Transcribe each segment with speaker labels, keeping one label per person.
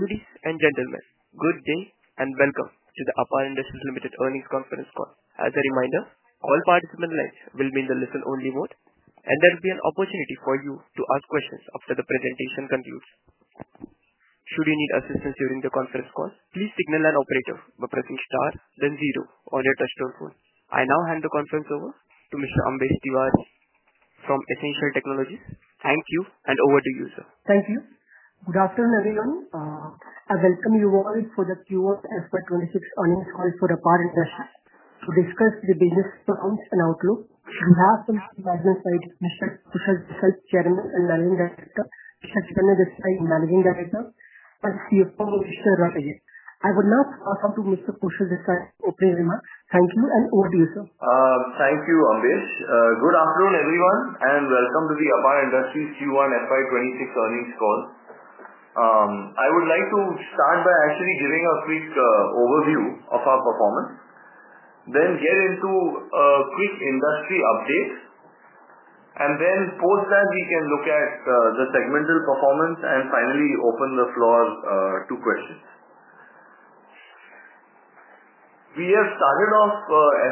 Speaker 1: Ladies and gentlemen, good day and welcome to the APAR Industries Limited Earnings Conference call. As a reminder, all participant lines will be in the listen only mode and there will be an opportunity for you to ask questions after the presentation concludes. Should you need assistance during the conference call, please signal an operator by pressing Star then zero on your touch tone phone. I now hand the conference over to Mr. Ambesh Tiwari from Essential Technologies. Thank you. Over to you sir.
Speaker 2: Thank you. Good afternoon everyone. I welcome you all for the Q4 of FY 2026 earnings call for APAR Industries Limited to discuss the business and outlook. We have our Chairman and Managing Director Kushal Desai and CFO Vishnu Rathi. I would now pass on to Mr. Kushal Desai. Thank you, and over to you sir.
Speaker 3: Thank you, Ambesh. Good afternoon, everyone, and welcome to the. Apar Industries Q1 FY 2026 earnings call. I would like to start by actually. Giving a quick overview of our performance. will get into a quick industry update. Post that we can look. At the segmental performance and finally open. The floor to questions. We have started off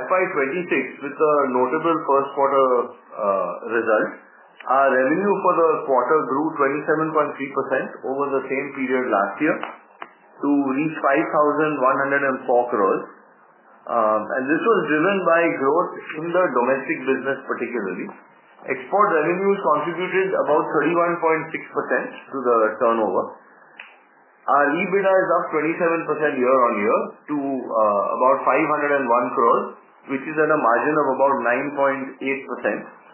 Speaker 3: FY 2026 with a notable first quarter. Our revenue for the quarter grew 27.3%. Over the same period last year to reach 5,104 crore. This was driven by growth in. The domestic business, particularly. Export revenues contributed about 31.6% to the turnover. Our EBITDA is up 27% year-on-r on year to about 501 crore, which is. At a margin of about 9.8%.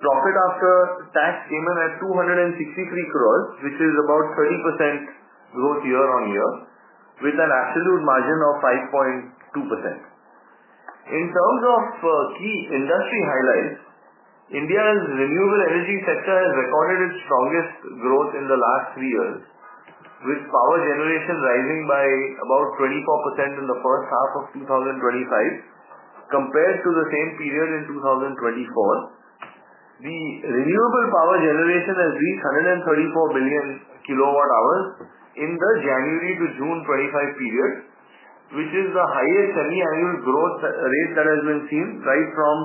Speaker 3: Profit after tax came in at 263 million. crores, which is about 30% growth year. On year with an absolute margin of 5.2%. In terms of key industry highlights, India's. Renewable energy sector has recorded its strongest. Growth in the last three years. Power generation rising by about 24% in. The first half of 2025 compared to the same period in 2024. The renewable power generation has reached 134. Billion kW hours in the January to June 2025 period, which is the highest. Semiannual growth rate that has been seen. Right from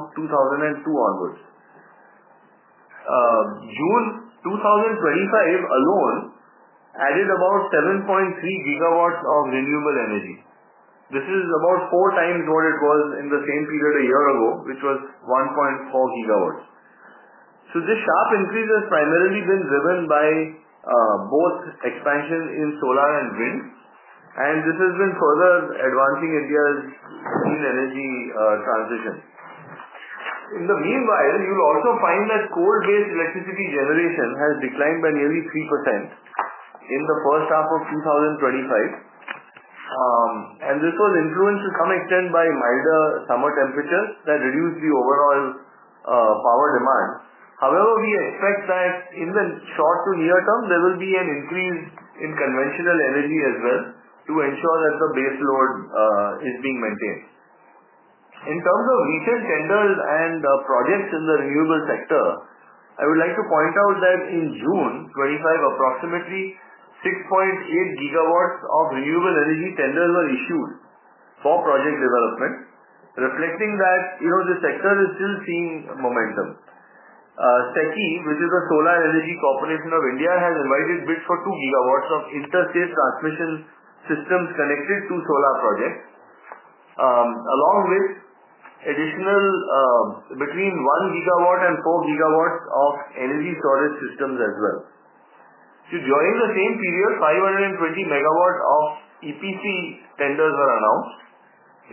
Speaker 3: 2002 onwards. June 2025 alone added about 7.3 GW of renewable energy. This is about 4x what it is. Was in the same period a year. Ago, which was 1.4 GW. This sharp increase has primarily been. Driven by both expansion in solar and wind, and this has been further advancing. India's clean energy transition. In the meanwhile, you will also find that coal-based electricity generation has declined. By nearly 3% in the first half. Of 2025, and this was influenced too. Some extent by milder summer temperatures, that. Reduced the overall power demand. However, we expect that in the short to near term there will be an. Increase in conventional energy as well. Ensure that the baseload is being maintained. In terms of recent tenders and projects. In the renewable sector, I would like. To point out that in June 25th, approximately 6.8 GW of renewable energy tenders. Were issued for project development, reflecting that. The sector is still seeing momentum. SECI, which is a solar energy corporation of India, has invited bids for 2 GW of interstate transmission systems connected to. Solar projects, along with additional between 1-4 GW of energy storage systems as well. During the same period, 520 MW of. EPC tenders were announced,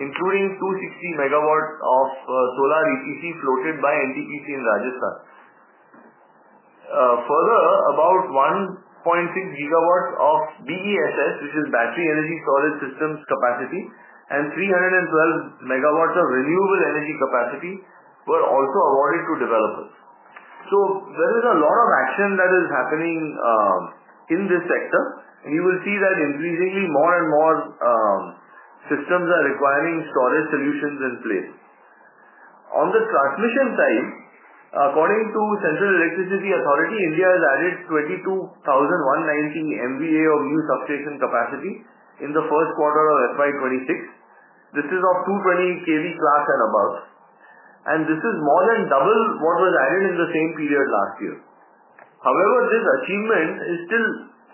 Speaker 3: including 260 MW of solar EPC floated by NTPC in Rajasthan. Further, about 1.6 GW of BESS, which. Is battery energy solid systems capacity and 312 MW of renewable energy capacity were. Also awarded to developers. There is a lot of action. That is happening in this sector. You will see that increasingly more and more. More systems are requiring storage solutions in place. On the transmission side, according to Central. Electricity Authority, India has added 22,190 MVA. Of new substation capacity in the first quarter of FY 2026. This is of 220 KV class. Above, and this is more than double. What was added in the same period last year. However, this achievement is still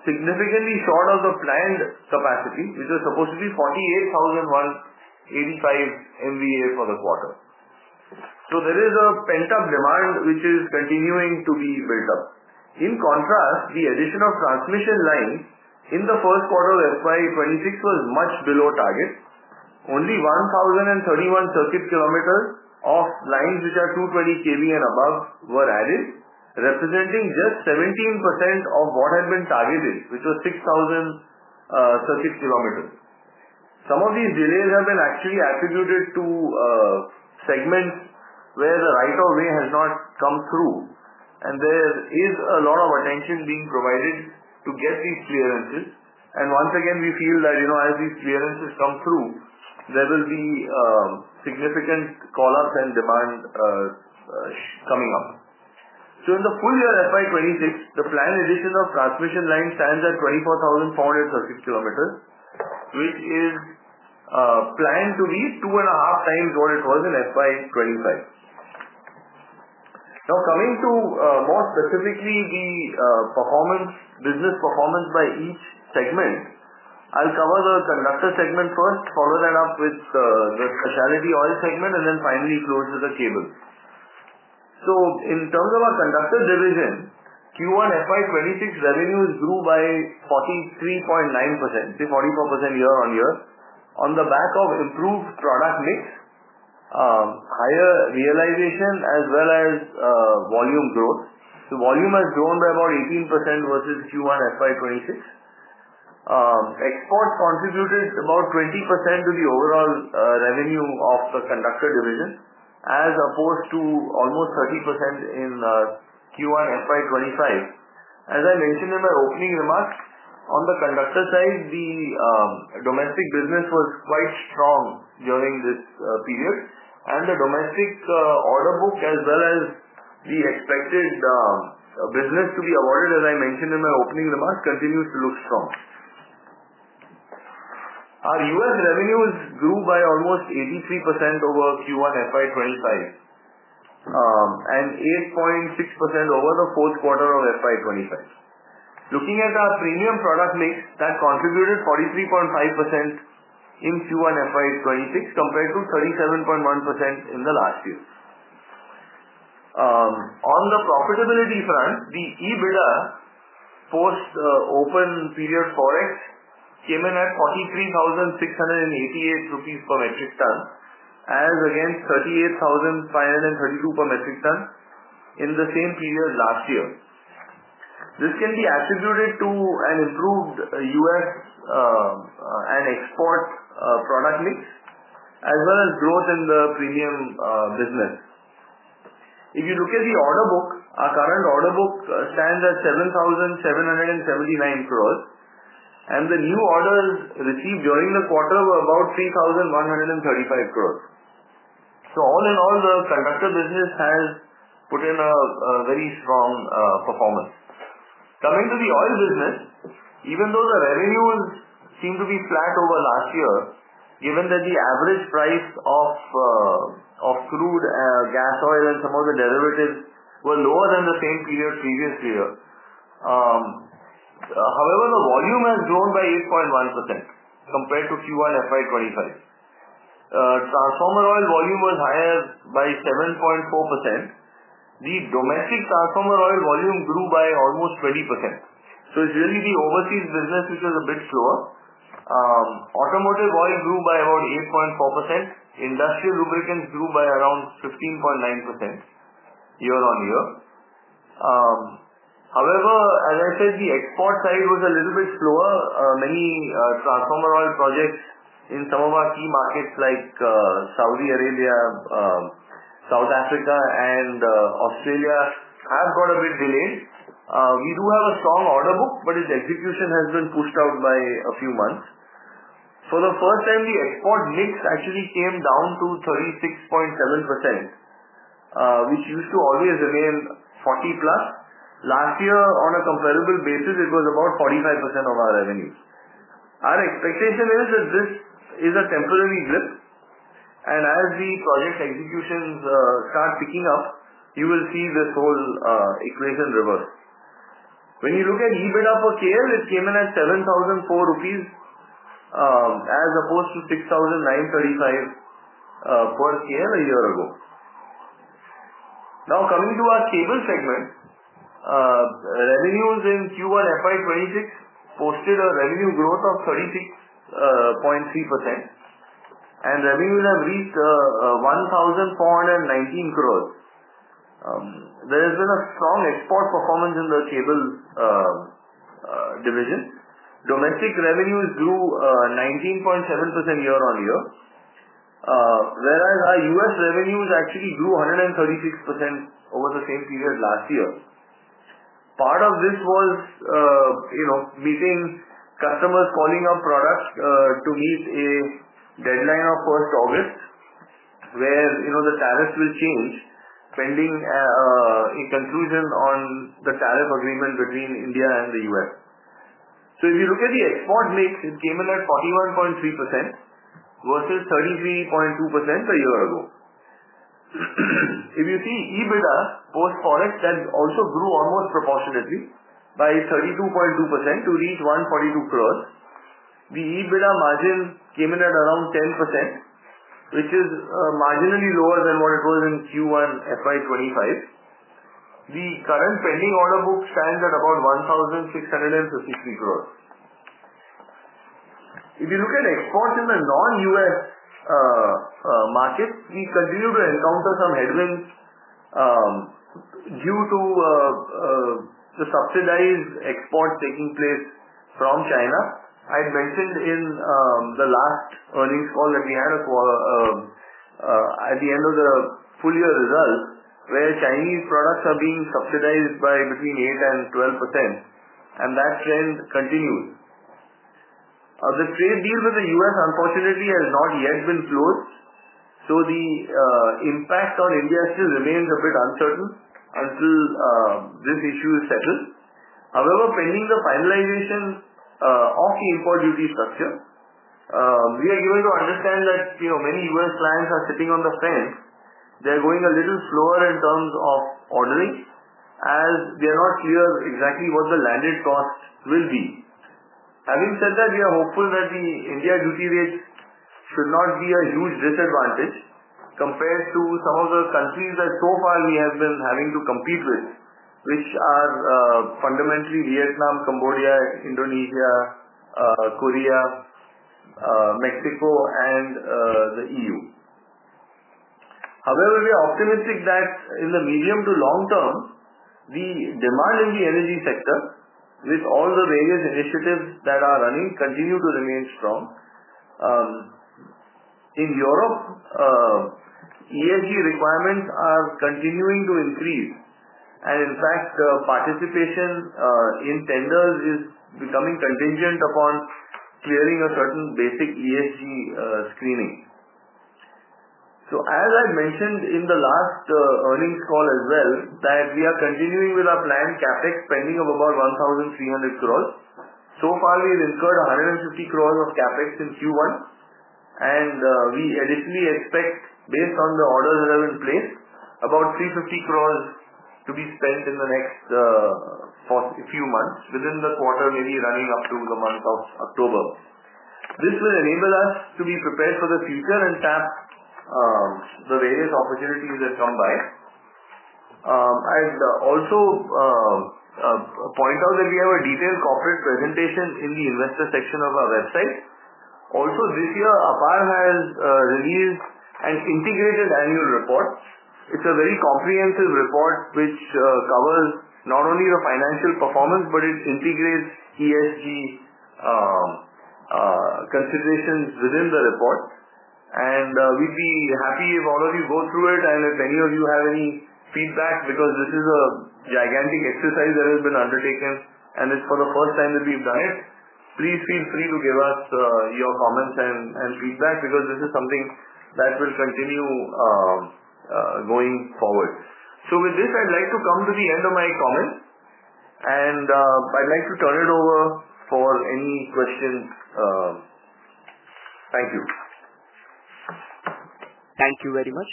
Speaker 3: significantly short of the planned capacity which was supposed. To be 48,185 MVA for the quarter. There is a pent up demand. Which is continuing to be built up, in contrast, the addition of transmission lines. In the first quarter FY 2026 was much below target. Only 1,031 circuit kilometers of lines, which. 220 KV and above were added. Representing just 17% of what had been. Targeted, which was 6,000 circuit kilometers. Some of these delays have been actual. Attributed to segments where the right-of-way has not come through, and there is a lot of attention being provided to get these clearances. Once again, we feel that as. These clearances come through, there will be. Significant call-ups and demand coming up. In the full year FY 2026, the planned addition of transmission line stands at. 24,400 circuit kilometers, which is planned to. Be 2.5x what. It was in FY 2025. Now, coming to more specifically the business performance by each segment, I'll cover. The conductor segment first, follow that up with the specialty oil segment and then. Finally, close to the cables. In terms of our conductor division. Q1 FY 2026 revenues grew by 43.9%, say 44% year on year. On the back of improved product mix. Higher realization as well as volume growth. The volume has grown by about 18% versus Q1 FY 2026. Exports contributed about 20% to the overall. Revenue of the conductor division as opposed to almost 30% in Q1 FY 2025. As I mentioned in my opening remarks. On the conductor side, the domestic business. Was quite strong during this period. The domestic order book as well. The expected business to be awarded as. I mentioned in my opening remarks, continues to look strong. Our US revenues grew by almost 83%. Over Q1 FY 2025 and 8.6% over the fourth quarter of FY 2025. Looking at our premium product mix, that contributed 43.5% in Q1 FY 2026 compared to 37.1%. In the last year. On the profitability front, the EBITDA post open period forex came in at 43,688 rupees. Rupees per metric ton as against 38,532 per metric ton in the same period last year. This can be attributed to an improved. U.S. and export product mix as well. As growth in the premium business, if you look at the order book. Our current order book stands at 7,779 million. Crores and the new orders received during. The quarter were about 3,135 crore. All in all, the conductor business. Has put in a very strong performance. Coming to the oil business, even though the revenues seem to be flat over. Last year, given that the average price. Of crude, gas, oil, and some of the derivatives were lower than the same period previously. However, the volume has grown by 8.1%. Compared to Q1 FY 2025. Transformer oil volume was higher by 7.4%. The domestic transformer oil volume grew by almost 20%. It’s really the overseas business which. Was a bit slower. Automotive oil grew by about 8.4%. Industrial lubricants grew by around 15.9% year-on-year. However, as I said, the export side was a little bit slower. Many transformer oil projects in some of. Our key markets like Saudi Arabia, South Africa. Africa and Australia have got a bit delayed. We do have a strong order book, but its execution has been pushed out. By a few months. For the first time, the export mix. Actually came down to 36.7%, which used. To always remain 40+. Last year on a comparable basis, it. Was about 45% of our revenues. Our expectation is that this is a temporary blip, and as the project executions. Start picking up, you will see this whole equation reverse. When you look at EBITDA for kL, it came in at 7,00 rupees as opposed to 6,009.35 per kL a year ago. Now coming to our cable segment revenues. In Q1 FY 2026 posted a revenue growth. Of 36.3% and revenues have reached 1,419 crore. There has been a strong export performance. In the cable division. Domestic revenues grew 19.7% year-on-year. Whereas our U.S. revenues actually grew 136%. Over the same period last year. Part of this was meeting customers, calling. Our products to meet a deadline of August 1 where the tariffs will change pending a conclusion on the tariff agreement. Between India and the U.S. If you look at the export mix, it came in at 41.3% versus. 33.2% a year ago. If you see EBITDA post Forex, that also grew almost proportionately by 32.2% to reach 142 crore. The EBITDA margin came in at around. 10% which is marginally lower than what it was in Q1 FY 2025. The current pending order book stands at about 1,653 crore. If you look at exports in the non-U.S. market, we continue to encounter some headwinds due to the subsidized export taking place from Chinese companies. I mentioned in the last earnings call. That we had at the end of. The full year results were Chinese products. Are being subsidized by between 8%-12% and that trend continues. The trade deal with the U.S., unfortunately. Has not yet been closed, so the. Impact on India still remains a bit. Uncertain until this issue is settled. However, pending the finalization of the import. Duty structure, we are given to understand. That many U.S. clients are sitting on the fence. They are going a little slower in. Terms of ordering as we are not clear exactly what the landed cost will be. Having said that, we are hopeful that the India duty rate should not be. A huge disadvantage compared to some of. The countries that so far we have. Been having to compete with, which are. Fundamentally Vietnam, Cambodia, Indonesia, Korea, Mexico, and the EU. However, we are optimistic that in the. Medium to long term, the demand in the energy sector with all the various initiatives that are running continues to remain strong in Europe. ESG requirements are continuing to increase, and in fact, participation in tenders is becoming contingent upon clearing a certain basic ESG screening. As I mentioned in the last. Earnings call as well that we are. Continuing with our planned CapEx spending of about 1,300 crore. So far we have incurred 150 crore. Of CapEx in Q1, and we additionally. Expect, based on the orders that have. Been placed, about 350 crore to be. Spent in the next few months within. The quarter may be running up to. The month of October. This will enable us to be prepared. For the future and tap the various. Opportunities that come by. I'd also point out that we have. A detailed corporate presentation in the investor. Section of our website. Also this year APAR has released an integrated annual report. It's a very comprehensive report which covers. Not only the financial performance, but it integrates ESG. Considerations within the report. We'd be happy if all of you go through it, and if any of you have any feedback, because this. Is a gigantic exercise that has been. Undertaken, and it's for the first time that we've done it. Please feel free to give us your comments and feedback, because this is something. That will continue going forward. With this I'd like to come to the end of my comments. I'd like to turn it over for any questions. Thank you.
Speaker 1: Thank you very much.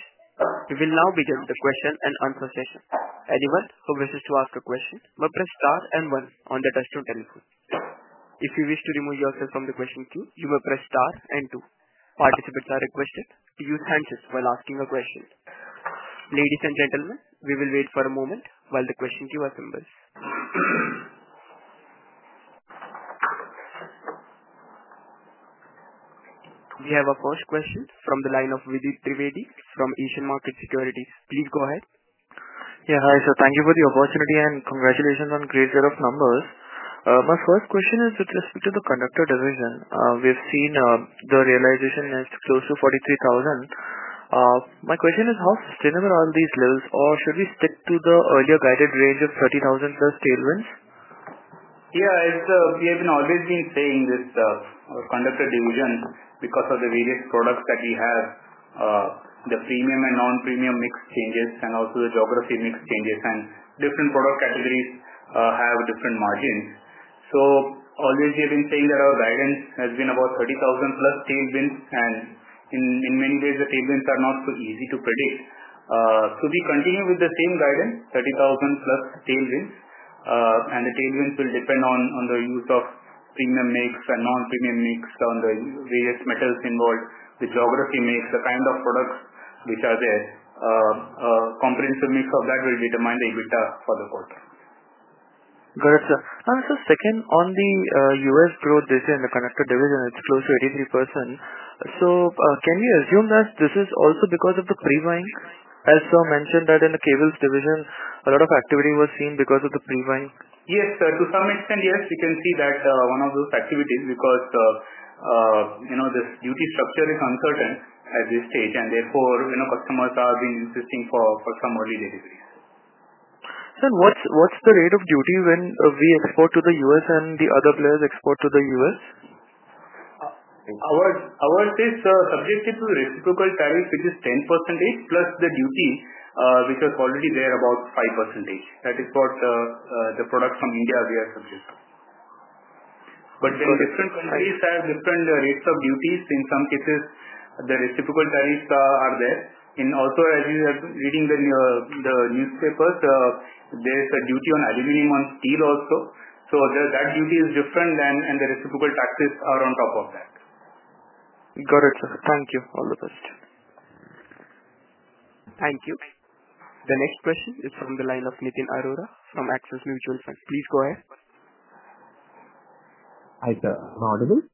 Speaker 1: We will now begin the question-and-answer session. Anyone who wishes to ask a question may press star and one on the touch of telephone. If you wish to remove yourself from the question queue, you may press star and two. Participants are requested to use handsets while asking a question. Ladies and gentlemen, we will wait for a moment while the question queue assembles. We have our first question from the line of Vidit Trivedi from Asian Market Securities. Please go ahead.
Speaker 4: Yeah. Hi sir. Thank you for the opportunity and congratulations on great set of numbers. My first question is with respect to the Conductor Division. We have seen the realization is close to 43,000. My question is how sustainable are these levels or should we stick to the earlier guided range of 30,000+ tailwinds?
Speaker 3: Yeah, we have always been saying this Conductor Division because of the various products that we have, the premium and non-premium mix changes, and also the geography mix changes, and different product categories have different margins. We have always been saying that our guidance has been about 30,000+ tailwinds, and in many ways the tailwinds are not so easy to predict. We continue with the same guidance. 30,000+ tailwinds. The tailwinds will depend on the use of premium mix and non-premium mix on the various metals involved, the geography mix, and the kind of products which are there. A comprehensive mix of that will determine the EBITDA for the quarter.
Speaker 4: Got it, sir. Second, on the U.S. growth this year in the conductor division, it's close to 83%. Can we assume that this is also because of the pre-buying? As sir mentioned, in the cables division a lot of activity was seen because of the pre-buying.
Speaker 5: Yes, to some extent, yes, we can. See that one of those activities, because this duty structure is uncertain at this stage, and therefore customers are being insisting for some early deliveries.
Speaker 4: Sir, what's the rate of duty when we export to the U.S. and the other players export to the U.S.?
Speaker 5: Ours is subjected to reciprocal tariff, which is. 10%+ the duty which was already there about 5%. That is what the products from India. We are subject to. Different countries have different rates of duties. In some cases, there are typical tariffs. Also, as you are reading the newspapers, there is a duty on aluminum, on steel also. That duty is different than. The reciprocal taxes are on top of that.
Speaker 4: Got it, sir. Thank you. All the best.
Speaker 1: Thank you. The next question is from the line of Nitin Arora from Axis Mutual Funds. Please go ahead.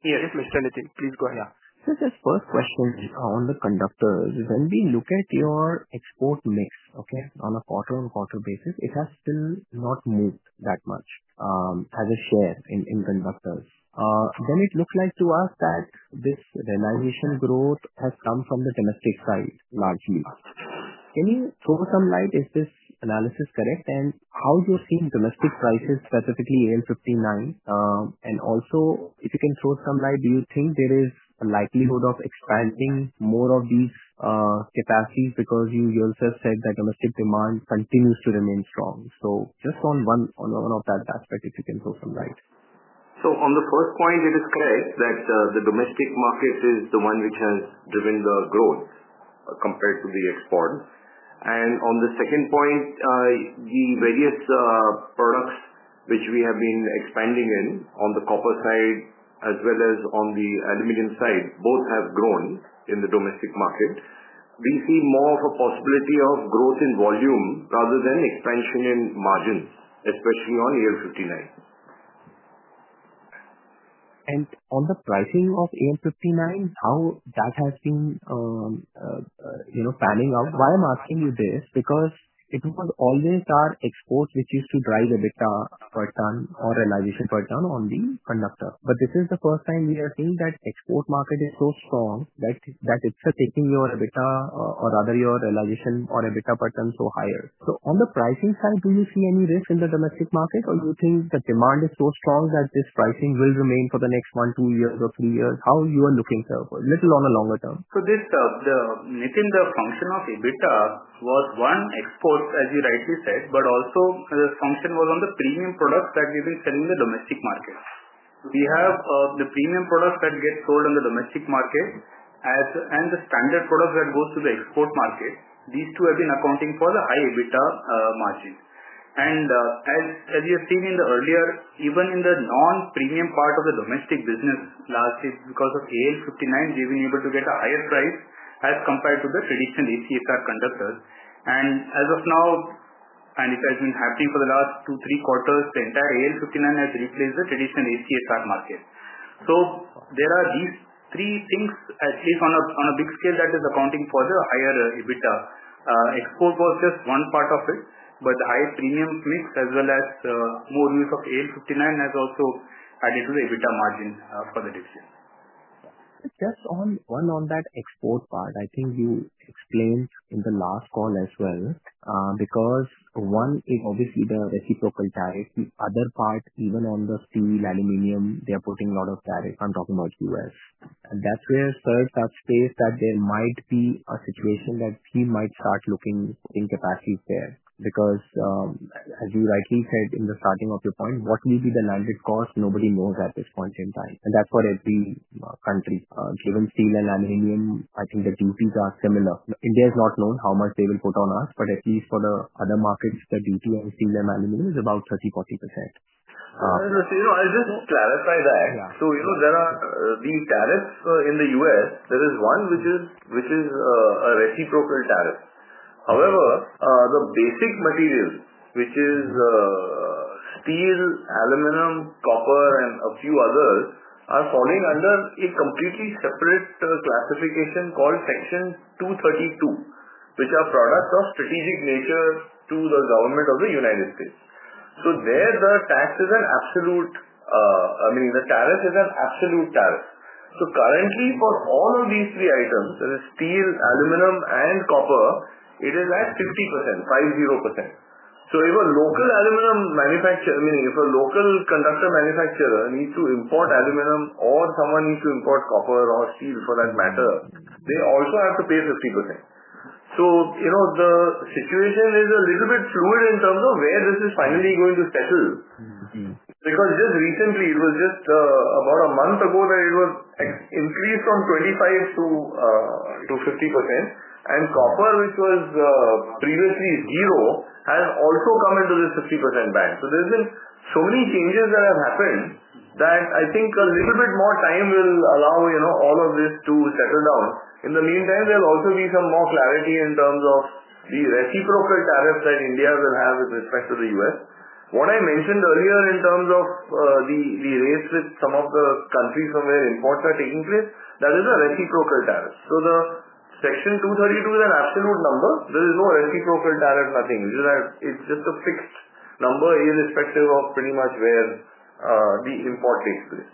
Speaker 1: Yes, Mr. Nitin, please go ahead.
Speaker 6: First question on the conductors. When we look at your export mix, on a quarter-on-quarter basis it has still not moved that much as a share in conductors. It looks like to us that. This realization growth has come from the domestic side largely. Can you throw some light, is this analysis correct and how you're seeing domestic prices, specifically AL59, and also if you can throw some light, do you think there is a likelihood of expanding more of these capacities? Because you yourself said that domestic demand continues to remain strong. Just on one of that aspect, if you can throw some light.
Speaker 5: On the first point, it is. Correct that the domestic market is the one which has driven the growth compared to the export. On the second point, the various products which we have been expanding in on the copper side as well as on the aluminium side, both have grown in the domestic market. We see more of a possibility of growth in volume rather than expansion in margins, especially on AL59.
Speaker 6: On the pricing of AL59, how that has been panning out, why I'm asking you this is because it was always our exports which used to drive EBITDA per ton or realization per ton on the conductor. This is the first time we are seeing that export market is so strong that it's taking your EBITDA or rather your realization or EBITDA per ton so higher. On the pricing side, do you. See any risk in the domestic market. Do you think the demand is so strong that this pricing will remain for the next one, two years, or three years? How are you looking a little on a longer term?
Speaker 5: This is The function of EBITDA was on exports. As you rightly said, also the function was on the. Premium products that we've been selling in the domestic market. We have the premium products that get. Sold on the domestic market and the standard products that go to the export market. These two have been accounting for the high EBITDA margin. As you have seen earlier, even in the non-premium part of the domestic business last year, because of AL59, they have been able to get a higher price as compared to the traditional ACSR conductors. As of now, and it has been happening for the last 2 or 3 quarters, the entire AL59 has replaced the traditional ACSR market. There are these three things at. least on a big scale, that is accounting for the higher EBITDA. Export was just one part of it. The high premium mix as well. As more use of AL59 has also added to the EBITDA margin for the. Dipster,
Speaker 6: just one on that export part. I think you explained in the last call as well because one is obviously the reciprocal tariff. The other part, even on the steel, aluminum, they are putting a lot of tariff. I'm talking about U.S., and that's where Serge has faced that there might be a situation that he might start looking capacity there because as you rightly said in the starting of your point, what will be the landed cost? Nobody knows at this point in time. That's for every country given steel and aluminum. I think the duties are similar. India is not known how much they will put on U.S., but at least for the other markets the duty of steel and aluminum is about 30%-40%.
Speaker 3: I'll just clarify that. You know there are the tariffs. In the US, there is one which is a reciprocal tariff. However, the basic material, which is steel, aluminum, copper, and a few others, are. Falling under a completely separate classification called Section 232, which are products of strategic. Nature to the government of the U.S. There the tax is an absolute. I mean, the tariff is an absolute tariff. Currently for all of these three. Items, steel, aluminum, and copper, it is. At 50%, 50%. If a local aluminum manufacturer, meaning. If a local conductor manufacturer needs to import aluminum or someone needs to import. Copper or steel, for that matter, they. Also have to pay 50%. The situation is a. Little bit fluid in terms of where. This is finally going to settle because just recently it was just about a month ago that it was increased from 25%-50%. Copper, which was previously zero, has. Also come into this 50% band. There have been so many changes that have happened that I think a little bit more time will allow all of. This is to settle down. In the meantime, there will also be. Some more clarity in terms of the reciprocal tariffs that India will have. With respect to the U.S., what I. Mentioned earlier, in terms of the race. With some of the countries from where imports are taking place, that is a reciprocal tariff. Section 232 is an absolute number. There is no reciprocal tariff, nothing. It's just a fixed number irrespective of. Pretty much where the import takes place.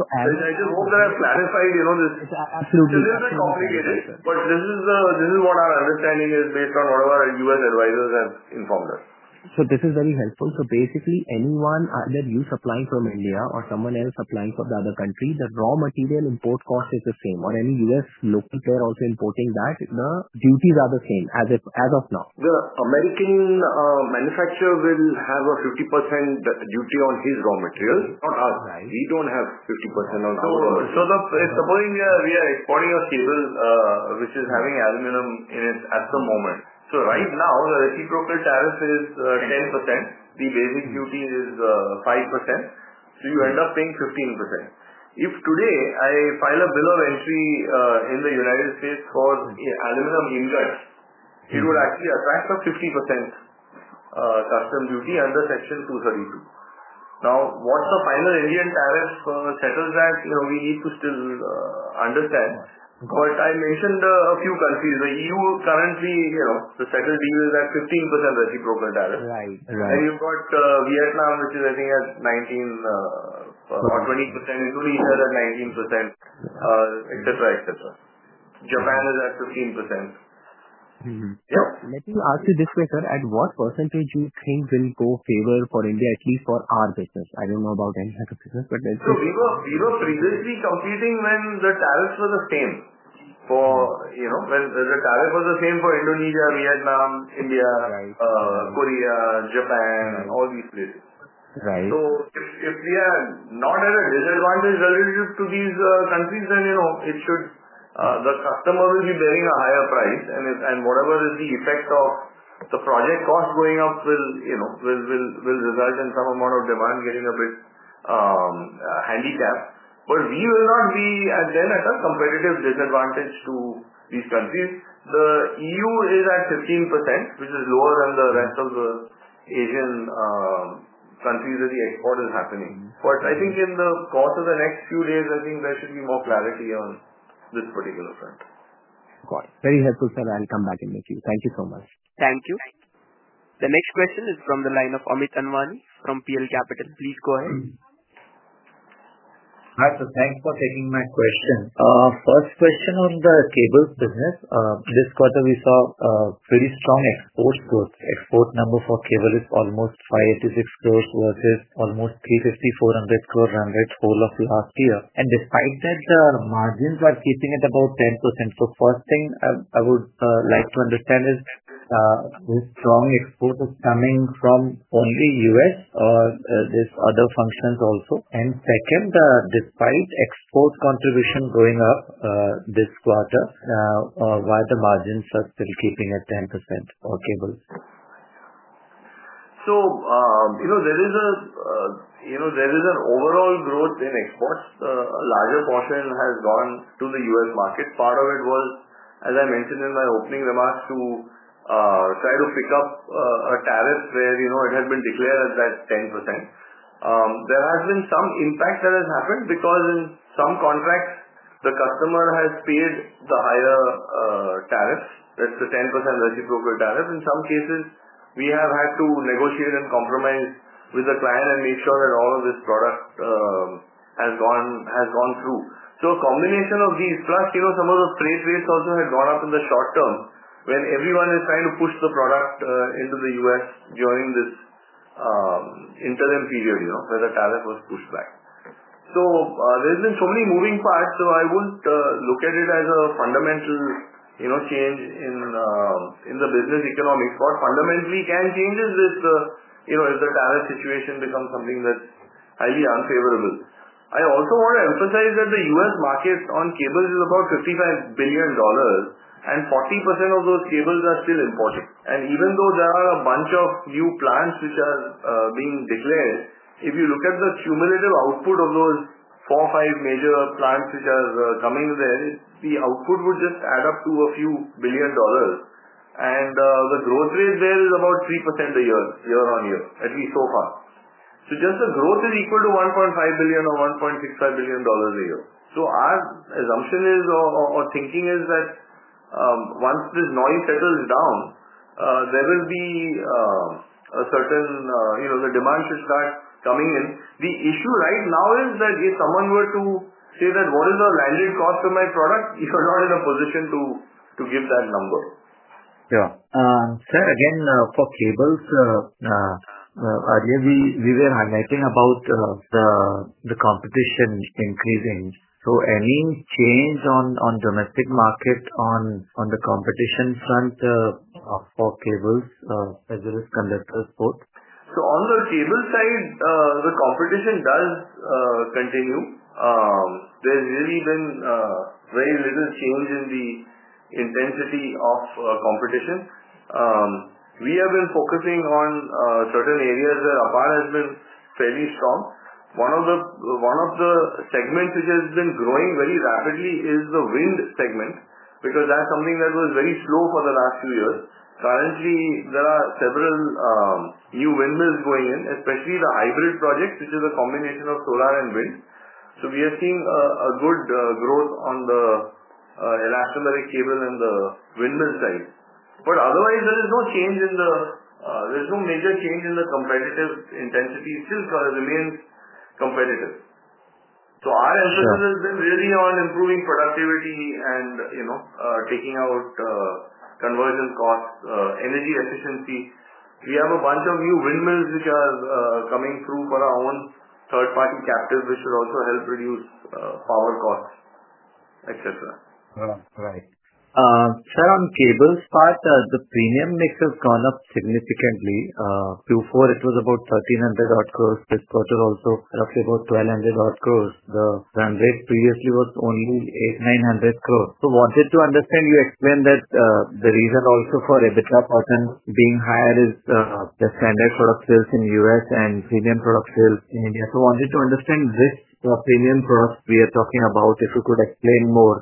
Speaker 3: I just hope that I've clarified this. It's a little bit complicated, but this is what our understanding is based on. Whatever our UN advisors have said informed us.
Speaker 6: This is very helpful. Basically, anyone, either you supplying from India or someone else applying for the other country, the raw material import cost is the same, or any U.S. local player also importing that, the duties are the same as of now.
Speaker 3: The American manufacturer will have a 50%. Duty on his raw materials, not us. We don't have 50% on our. Supposing we are exporting a civil. Raw, which is having aluminum in it at the moment. Right now the reciprocal tariff is. 10%, the basic duty is 5%. You end up paying 15%. If today I file a bill of. Entry in the US for aluminum. Indirect, it would actually attract a 50% customs duty under Section 232. Now what's the final Indian tariff settled that we need to still understand? I mentioned a few countries, the. EU currently, you know, the settlement deal. Is at 15% reciprocal tariff, right? You've got Vietnam, which is I. Think at 19% or 20%, Indonesia at 19%, etc. Japan is at 15%.
Speaker 6: Let me ask you this way, sir. At what percentage do you think will go in favor for India, at least for our business? I don't know about any other business. We were previously competing when the. Tariffs were the same for, you know. The tariff was the same for Indonesia. Vietnam, India, Korea, Japan, all these places. If we are not at a. Disadvantage relative to these countries, then you know it should. The customer will be bearing a higher price, and whatever is the effect of. The project cost going up will, you. Know will result in some amount of. Demand getting a bit. We will not be at a. Competitive disadvantage to these countries. The EU is at 15%, which is. Lower than the rest of the Asian countries that the export is happening. I think in the course of the next few days I think there. should be more clarity on this particular front. Very helpful, sir. I'll come back in a queue. Thank you so much.
Speaker 1: Thank you. The next question is from the line of Amit Anwani from PL Capital. Please go ahead.
Speaker 7: Hi. Thank you for taking my question. First question on the cables business. This quarter we saw pretty strong exports growth. Export number for cables is almost 586 crore versus almost 350 crore-400 crore run rate for the whole of last year. Despite that, the margins are keeping at about 10%. First thing I would like to understand is this strong export coming from only the U.S. or are there other functions? Second, despite export contribution going up this quarter, why are the margins still at this level? Keeping at 10% for cables.
Speaker 3: There is an overall growth in exports. A larger portion has gone to the U.S. market. Part of it was as I mentioned. In my opening remarks, to try to pick up a tariff where, you know, it had been declared as that 10%. There has been some impact that has happened because in some contracts the customer. Has paid the higher tariffs. That's the 10% reciprocal tariff. In some cases, we have had to. Negotiate and compromise with the client. Make sure that all of this product has gone through. A combination of these plus, you know, some of the freight rates also. Had gone up in the short term. When everyone is trying to push the. Product into the U.S. during this interim period where the tariff was pushed back. There have been so many moving parts. I wouldn't look at it as. A fundamental change in the business economics. What fundamentally can change with if the. Tariff situation becomes something that's highly unfavorable. I also want to emphasize that the U.S. market on cables is about $55 billion and 40% of those cables are still imported. Even though there are a bunch. Of new plants which are being declared. If you look at the cumulative output. Of those four, five major plants which are coming there, the output would just add up to a few billion dollars. The growth rate there is about. 3% a year, year-on-year at least. So far, just the growth is equal to $1.5 billion or $1.65 billion a year. Our assumption is, or thinking is that once this noise settles down there. Will be a certain, you know, the. Demand should start coming in. The issue right now is that if someone were to say that what is the landed cost of my product? You are not in a position to give that number.
Speaker 7: Yeah. Sir, again for cables, earlier we were highlighting about the competition increasing. Any change on domestic market on the competition front for cables as well as conductors? Both.
Speaker 3: On the cable side, the competition does continue. There's really been very little change in the intensity of competition. We have been focusing on certain areas. Where APAR has been fairly strong. One of the segments which has been. Growing very rapidly is the wind segment. Because that's something that was very slow. For the last few years, currently there are several new windmills going. In, especially the hybrid project, which is. A combination of solar and wind, we are seeing a good growth. On the elastomeric cable and the windmill side. Otherwise, there is no change in. There's no major change in the competitive intensity. Still remains competitive. Our emphasis has been really on. Improving productivity and taking out conversion costs, energy efficiency. We have a bunch of new windmills. Which are coming through for our own. Third party captives, which will also help reduce power costs, etc.
Speaker 7: Sir, on cable part the premium mix has gone up significantly. Q4 it was about 1,300 crore, this quarter also roughly about 1,200 crore. The run rate previously was only 800, 900 crore. I wanted to understand. You explained that the reason also for EBITDA pattern being higher is the standard product sales in the U.S. and premium product sales in India. I wanted to understand this premium product we are talking about. If you could explain more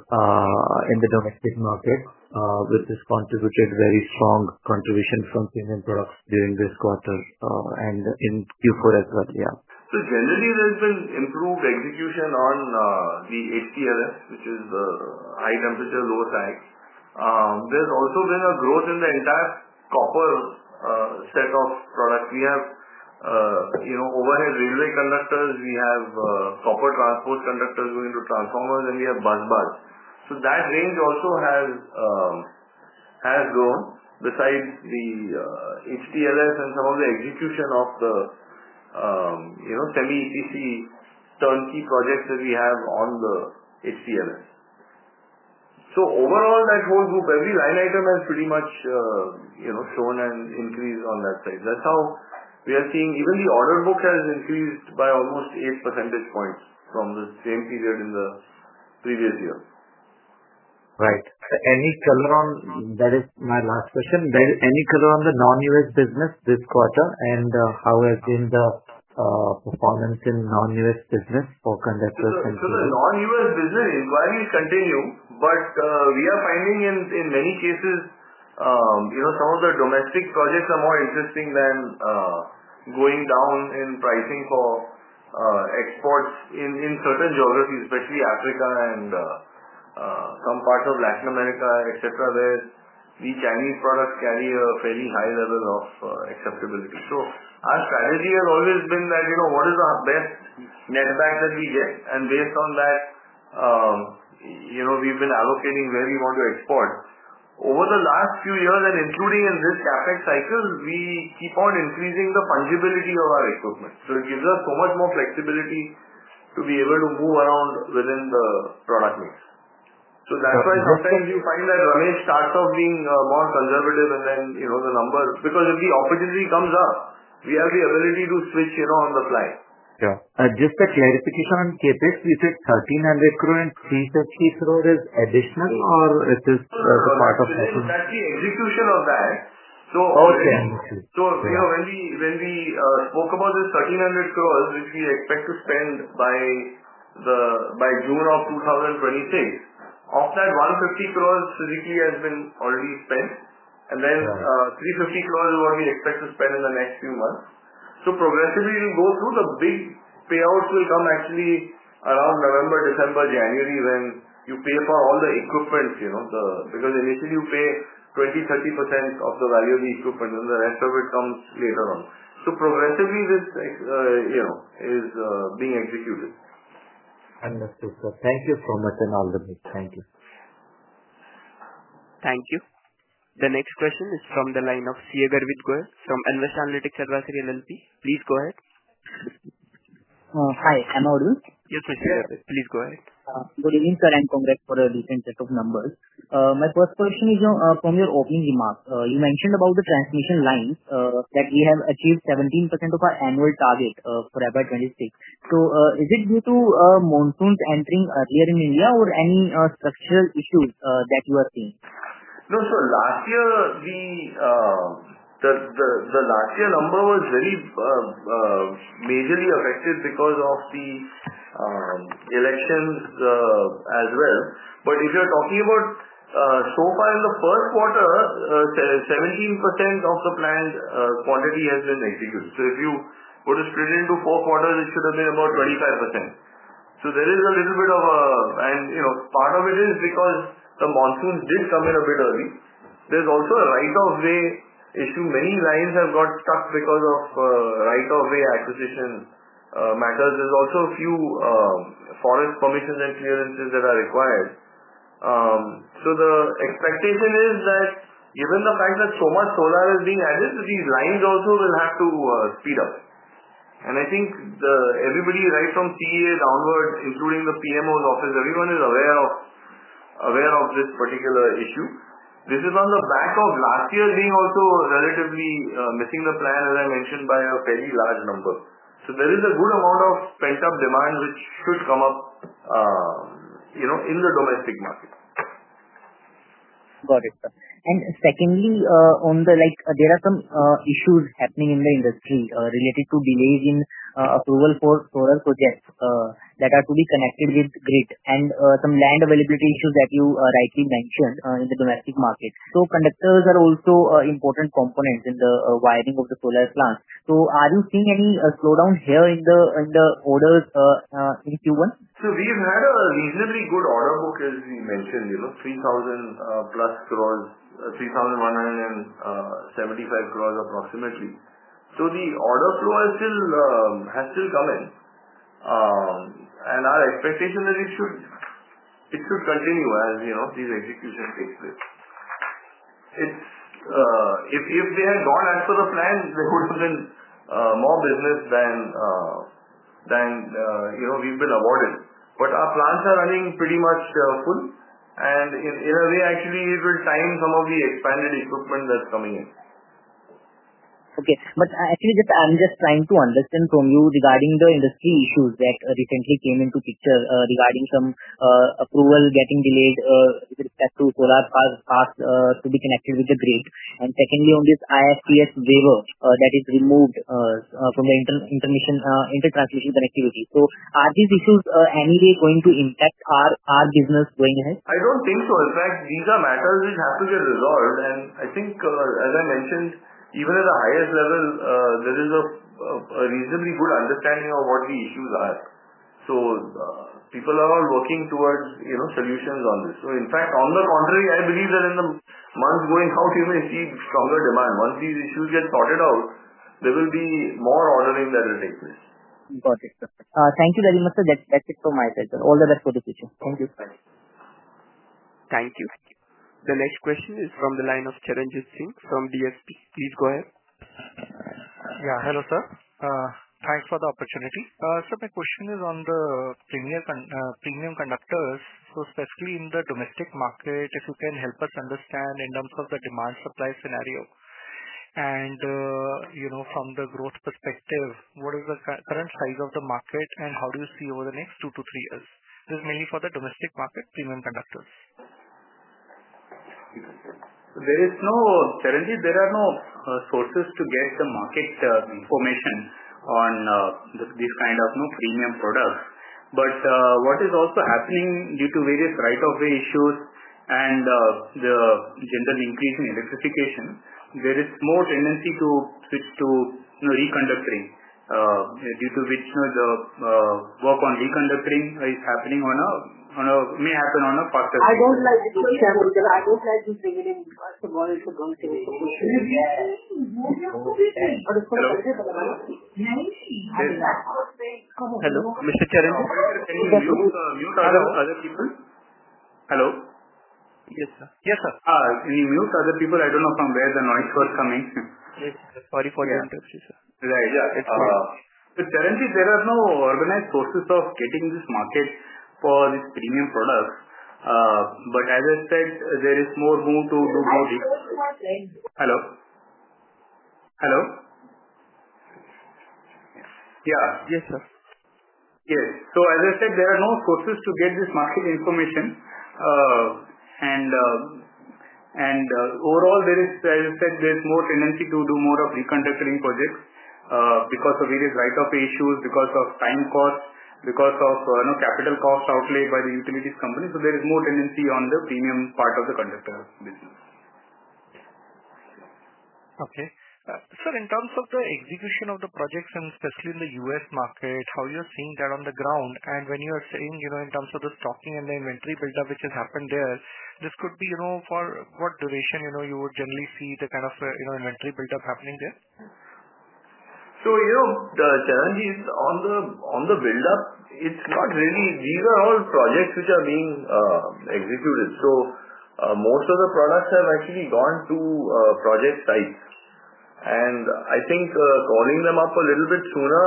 Speaker 7: in the domestic market which has contributed very strong contribution from premium products during this quarter and in Q4 as well.
Speaker 3: Yes. Generally, there's been improved execution on. The HTLS, which is the high temperature, low sag. There's also been a growth in the. Entire copper set of product. We have overhead railway conductors, we have copper transport conductors going to transformers, and we have bus bars. That range also has grown. Besides the HTLS and some of the execution of the semi-EPC turnkey projects that we have on the HTLS. Overall, that whole group, every line. Item has pretty much shown an increase on that side. That's how we are seeing. Even the order book has increased by. Almost 8 percentage points from the same period in the previous year.
Speaker 7: Right. Any color on that is my last question. Any color on the non-US business this quarter, and how has been the performance in non-US business for conductors? The non-U.S. business inquiries continue, but we are finding in many cases. You know, some of the domestic projects. Are more interesting than going down in pricing for exports in certain geographies, especially Africa and some parts of Latin America, where the Chinese products carry a fairly high level of acceptability.
Speaker 3: Our strategy has always been that. You know, what is the best netback that we get. Based on that, we've been allocating where we want to export. Over the last few years, and including in this CapEx cycle, we keep on. Increasing the fungibility of our equipment gives us so much more flexibility to be able to move around. Within the product mix. That's why sometimes you find that starts off being more conservative. You know the number because if the opportunity comes up, we have the ability to switch, you know, on the fly.
Speaker 7: Yeah, just a clarification. On CapEx, we said INR 1,300 crore and INR 350 crore is additional or it is. Part of that's the execution of that.
Speaker 3: When we spoke about this, 1,300. crores which we expect to spend by. June of 2026 of that 150 crore physically has been already spent. 350 crore is what we. Expect to spend in the next few months. It will go through progressively. The big payouts will come actually around November, December, January when you pay for all the equipment, because initially you pay 20%, 30% of the value of the. Equipment and the rest of it comes later on. Progressively, this is being executed.
Speaker 7: Understood, sir. Thank you so much and all the best.
Speaker 3: Thank you.
Speaker 1: Thank you. The next question is from the line of Garvit Goyal from Nvest Analytics Advisory LLP. Please go ahead.
Speaker 8: Hi, am I audience?
Speaker 1: Yes, please go ahead.
Speaker 8: Good evening sir and congratulations for a decent set of numbers. My first question is from your opening remarks, you mentioned about the transmission lines that we have achieved 17% of our annual target for FY 2026. Is it due to monsoons entering earlier in India or any structural issues that you are seeing?
Speaker 3: No, sir, last year. The last year number was very majorly affected because of the elections as well. If you are talking about so. Far in the first quarter, 17% of. The planned quantity has been executed. If you were to split into four quarters, it should have been about 25%. There is a little bit of a, you know, part of it is because the monsoons did come in a bit early. There is also a right-of-way issue. Many lines have got stuck because of. Right-of-way actually matters. There's also a few forest permissions. Clearances that are required. The expectation is that given the fact that so much solar is being added, these lines also will have to speed up. I think everybody right from CA. Downward, including the PMO's office, everyone is. Aware of this particular issue. This is on the back of last. Year being also relatively miscellaneous, the plan. As I mentioned, by a fairly large number. There is a good amount of. Pent up demand, which should come up. In the domestic market.
Speaker 8: Got it, sir. Secondly, there are some issues happening in the industry related to delays in approval for solar projects that are to be connected with the grid and some land availability issues that you rightly mentioned in the domestic market. Conductors are also important components in the wiring of the solar plants. Are you seeing any slowdown here in the orders in Q1?
Speaker 3: We've had a reasonably good order. Book as we mentioned, you know, 3,000+ crores, 3,175 crores approximately. The order flow has still come in, and our expectation is that it should continue as these executions take place. It's if they had gone as per. The plan, they would have done more business than. We've been awarded. Our plants are running pretty much full and in a way actually it. Will time some of the expanded equipment that's coming in.
Speaker 8: Okay, I'm just trying to understand from you regarding the industry issues that recently came into picture regarding some approval getting delayed with respect to solar parks to be connected with the grid, and secondly on this IFT waiver that is removed from the inter transmission connectivity. Are these issues anyway going to impact our business going ahead?
Speaker 3: I don't think so. In fact, these are matters which have to get resolved. I think, as I mentioned, even at the highest level there is a. reasonably good understanding of what the issues are. People are all working towards solutions on this. In fact, on the contrary, I believe that in the months going out. You may see stronger demand once these issues get sorted out there. will be more ordering that will take place.
Speaker 8: Got it. Thank you very much, sir. That's it for myself, sir. All the best for the session.
Speaker 3: Thank you.
Speaker 1: Thank you. The next question is from the line of Charanjit Singh from DSP, please go ahead.
Speaker 9: Yeah. Hello sir. Thanks for the opportunity. Sir, my question is on the premium conductors, especially in the domestic market. If you can help us understand in terms of the demand supply scenario and from the growth perspective, what is the current size of the market and how do you see over the next two to three years. This is mainly for the domestic market, premium conductors.
Speaker 3: There is no challenges, there are no. Sources to get the market information on this kind of premium products. What is also happening due to. Various right-of-way issues and the general increase in electrification, there is more tendency to switch to reconductoring, due to which the work on reconductoring is happening or may happen on a faster scale. Hello, Mr. Chair. Hello.
Speaker 9: Yes, sir. Yes, sir.
Speaker 3: Can you mute other people? I don't know from where the noise was coming.
Speaker 9: Sorry for your interest.
Speaker 3: Currently, there are no organized sources. Getting this market for its premium products, as I said, there is more room to do. Hello? Hello. Yeah.
Speaker 9: Yes sir.
Speaker 3: Yes. As I said, there are no. Sources to get this market information. Overall, as I said, there is more tendency to do more of reconductoring projects because of various right-of-way issues, because of time cost, because of capital cost outlaid by the utilities company. There is more tendency on the premium part of the conductor business.
Speaker 9: Okay, sir. In terms of the execution of the projects and especially in the U.S. market, how you are seeing that on the ground, and when you are saying in terms of the stocking and the inventory buildup which has happened there, this could be for what duration you would generally see the kind of inventory buildup happening there.
Speaker 3: The challenge is on the build. These are all projects which are being executed. Most of the products have actually gone to project sites. I think calling them APAR. Little bit sooner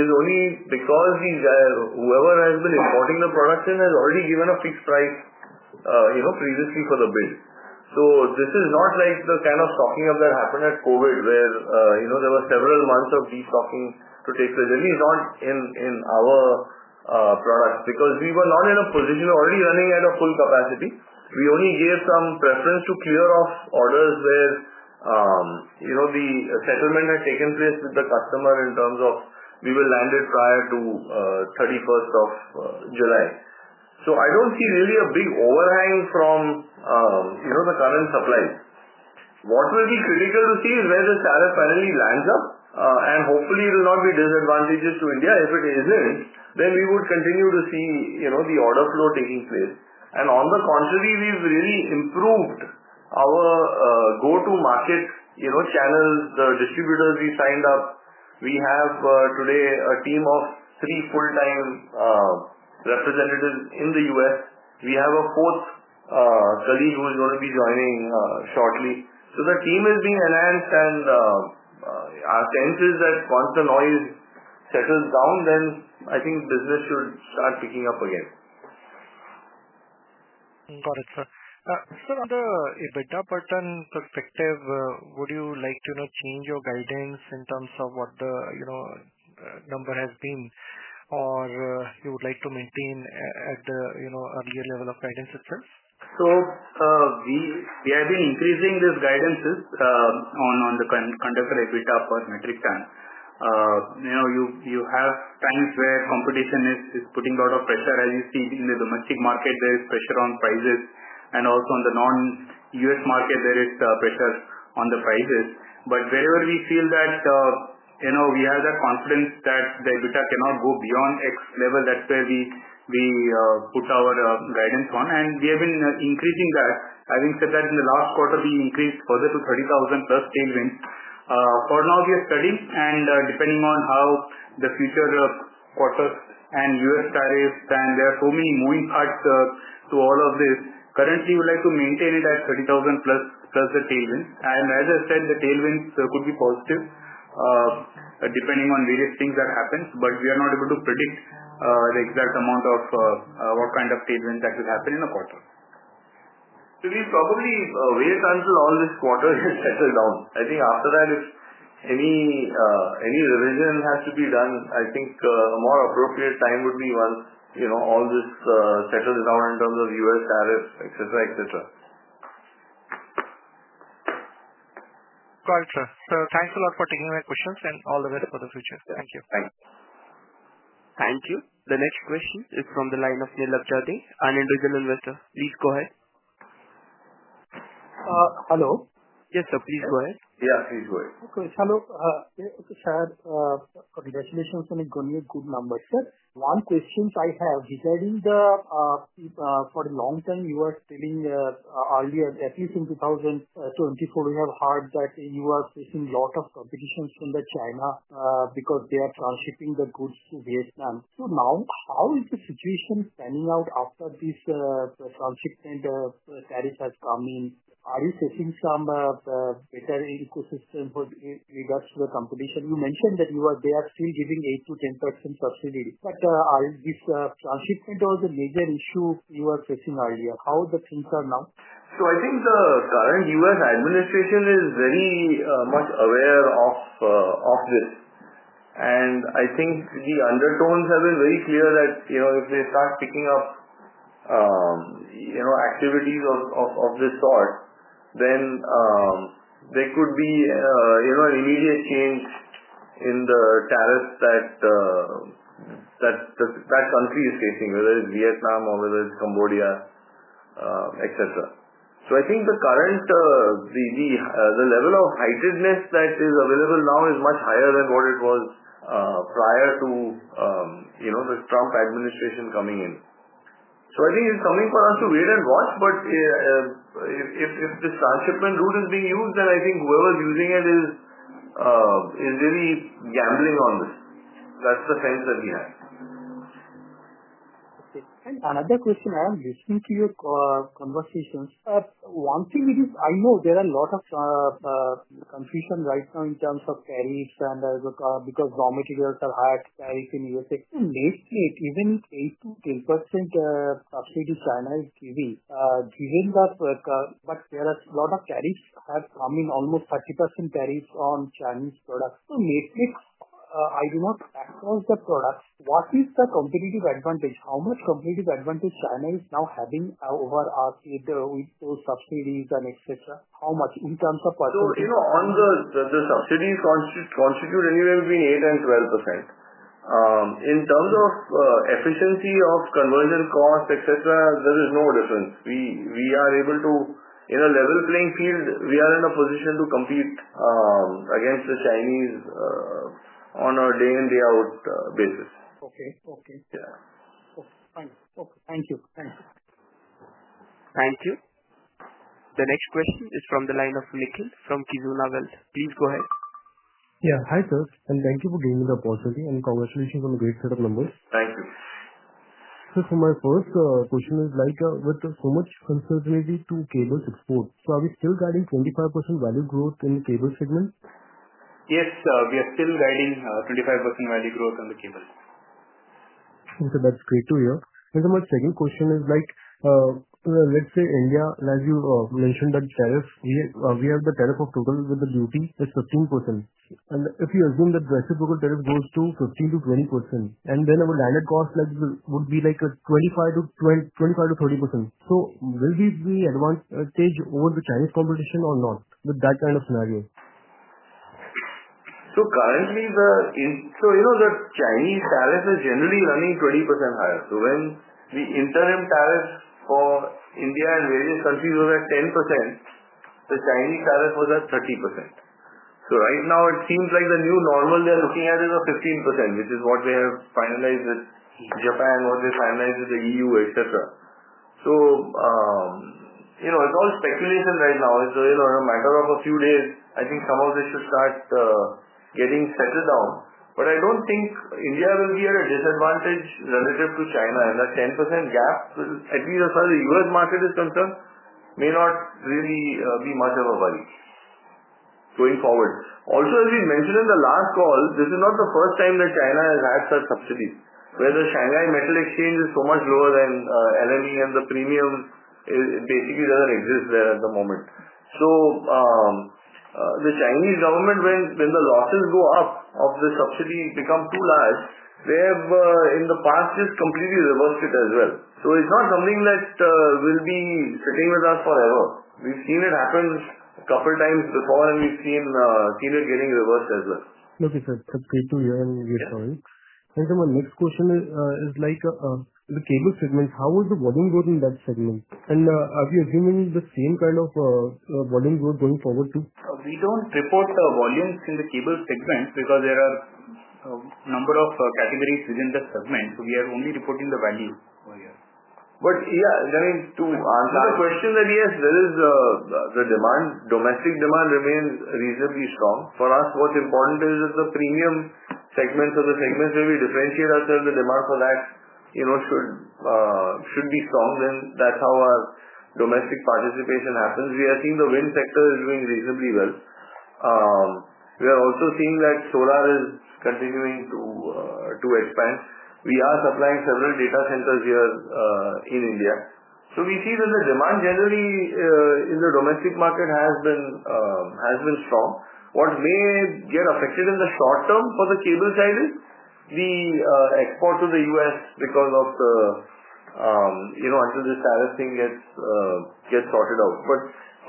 Speaker 3: is only because whoever. Has been importing. The production has already. Given a fixed price previously for the bid. This is not like the kind of stocking up that happened at COVID. There were several months of destocking. To take place, at least not in. Our products, because we were not in. A position already running at full capacity. We only gave some preference to clear. Off orders where the settlement had taken. Place with the customer in terms of. We will land it prior to July 31. I don't see really a big. Overhang from the current supply. What will be critical to see is. Where the tariff finally lands up. Hopefully, it will not be disadvantageous to India. If it isn't, then we would continue. To see the order flow taking place. On the contrary, we have really. Improved our go to market channels, the distributors. We signed up. We have today a. Team of three full-time representatives in the U.S. We have a fourth colleague who is going to be joining shortly. The team is being enhanced, and our sense is that once the noise. Settles down, then I think business should. Start picking up again.
Speaker 9: Got it, sir. On the EBITDA pattern perspective, would you like to change your guidance in terms of what the number has been, or would you like to maintain at the earlier level of guidance itself?
Speaker 3: We have been increasing these guidances. On the conductor EBITDA per metric channel, you have times where competition is putting a lot of pressure. As you see in the domestic market, there is pressure on prices, and also on the non-U.S. market, there is pressure on the prices. Wherever we feel that we have that confidence that the EBITDA cannot go beyond X level, that's where we put our guidance on, and we have been increasing that. Having said that, in the last quarter. We increased further to 30,000+ tailwinds. For now, we are studying and depending on how the future quarters and U.S. tariffs, and there are so many moving. Parts to all of this. Currently, we would like to maintain it at 30,000+. As I said, the tailwinds could be positive depending on various things that happen. We are not able to predict the exact amount of what kind of tailwinds that will happen in a quarter. We probably wait until all this. Quarter has settled down. I think after that if any revision has to be done, I think a more appropriate time would be once all this settles out in terms of U.S., Arab, etc. etc.
Speaker 9: Got it, sir. Thanks a lot for taking my questions and all the best for the future.
Speaker 3: Thank you.
Speaker 1: Thank you. The next question is from the line of, an individual investor. Please go ahead. Hello. Yes sir, please go ahead.
Speaker 3: Yeah, please go ahead. Congratulations on your good number. Sir, one question I have regarding the for a long time you are spending earlier, at least in 2024, we have heard that you are facing a lot of competition from the Chinese because they are transshipping the goods to Vietnam. Now, how is the situation panning out after this transshipment tariff has come in? Are you facing some better ecosystem with regards to the competition? You mentioned that they are still giving 8 to 10% subsidy. This transshipment you were facing earlier, how are things now? I think the current U.S. administration. Is very much aware of this. I think the undertones have been very. Clear that if they start picking up. Activities of this sort, there could be an immediate change in the tariff. That. Country is facing whether it's Vietnam or whether it's Cambodia, etc. I think the current level. Of heightenedness that is available now. Much higher than what it was prior to the Trump administration coming in. I think it is something for. Us to wait and watch. If this transhipment route is being used, then I think whoever is using. Is really gambling on this. That's the sense that we have. Okay, another question, I am listening to your conversations. One thing is, I know there is a lot of confusion right now in terms of tariffs and because raw materials are higher carries in the U.S. late even 8%-10% subsidy. Chinese is given that. There are a lot of carries to have come in, almost 30% tariffs on Chinese products. Matrix, I do not across the products, what is the competitive advantage? How much competitive advantage China is now having over subsidies and etc. How much in terms of, you know, on the. The subsidies constitute anywhere between 8%-12% in terms of efficiency of conversion cost, etc. There is no difference. We are able to in a level playing field. We are in a position to compete. Against the Chinese on a day-in, day-out basis. Okay. Okay. Yeah. Thank you. Thank you.
Speaker 1: Thank you. The next question is from the line of Nikhil Poptani from Kizuna Wealth. Please go ahead.
Speaker 10: Yeah. Hi sir, and thank you for giving the opportunity and congratulations on the great set of numbers.
Speaker 3: Thank you.
Speaker 10: My first question is like with so much uncertainty to cables exports, are we still guiding 25% value growth in cable segment?
Speaker 3: Yes, we are still guiding 25% value. Growth on the cables.
Speaker 10: That's great to hear. Second question is, let's say India, as you mentioned that tariff, we have the tariff with the duty at 15%, and if you assume that the reciprocal tariff goes to 15%-20%, then our landed cost would be like 25%-30%. Will this be an advantage over the Chinese competition or not with that kind of scenario?
Speaker 3: You know the Chinese tariff is generally running 20% higher. When the interim tariff for India and various countries was at 10%, the Chinese tariff was at 30%. Right now it seems like the new normal they are looking at is. Of 15% which is what they have. Finalized with Japan, what they finalized with the EU, etc. It's all speculation right now. It's a matter of a few days. I think some of this should start. Getting settled down, but I don't think. India will be at a disadvantage relative to Chinese. The 10% gap at least as. far as the US market is concerned. May not really be much of a worry going forward. Also, as we mentioned in the last. Call, this is not the first time. That China has had such subsidies where. The Shanghai Metal Exchange is so much. Lower than LME and the premium, basically. Doesn't exist there at the moment. The Chinese government, when the losses. Go up of the subsidy become too large, they have in the past just. Completely reversed it as well. It is not something that will be. Sitting with us forever. We've seen it happen a couple of times. Before, and we've seen it getting reversed as well.
Speaker 10: Okay sir, that's great to hear and get started. My next question is, like the cable segments, how would the volume growth in that segment be, and are we assuming the same kind of volume growth going forward too?
Speaker 3: We don't report the volumes in the. Cable segment, because there are a number of categories within the segment, we are only reporting the value. Yeah, I mean to answer the. Yes, there is the demand. Domestic demand remains reasonably strong for us. What's important is the premium segments, the segments where we differentiate ourselves. The demand for that should be strong. That's how our domestic participation happens. We are seeing the wind sector is doing reasonably well. We are also seeing that solar is continuing to expand. We are supplying several data centers here in India. We see that the demand generally. The domestic market has been strong. What may get affected in the short. Term for the cable side is the. Export to the US because of the. Until this tariff thing gets sorted. Out, but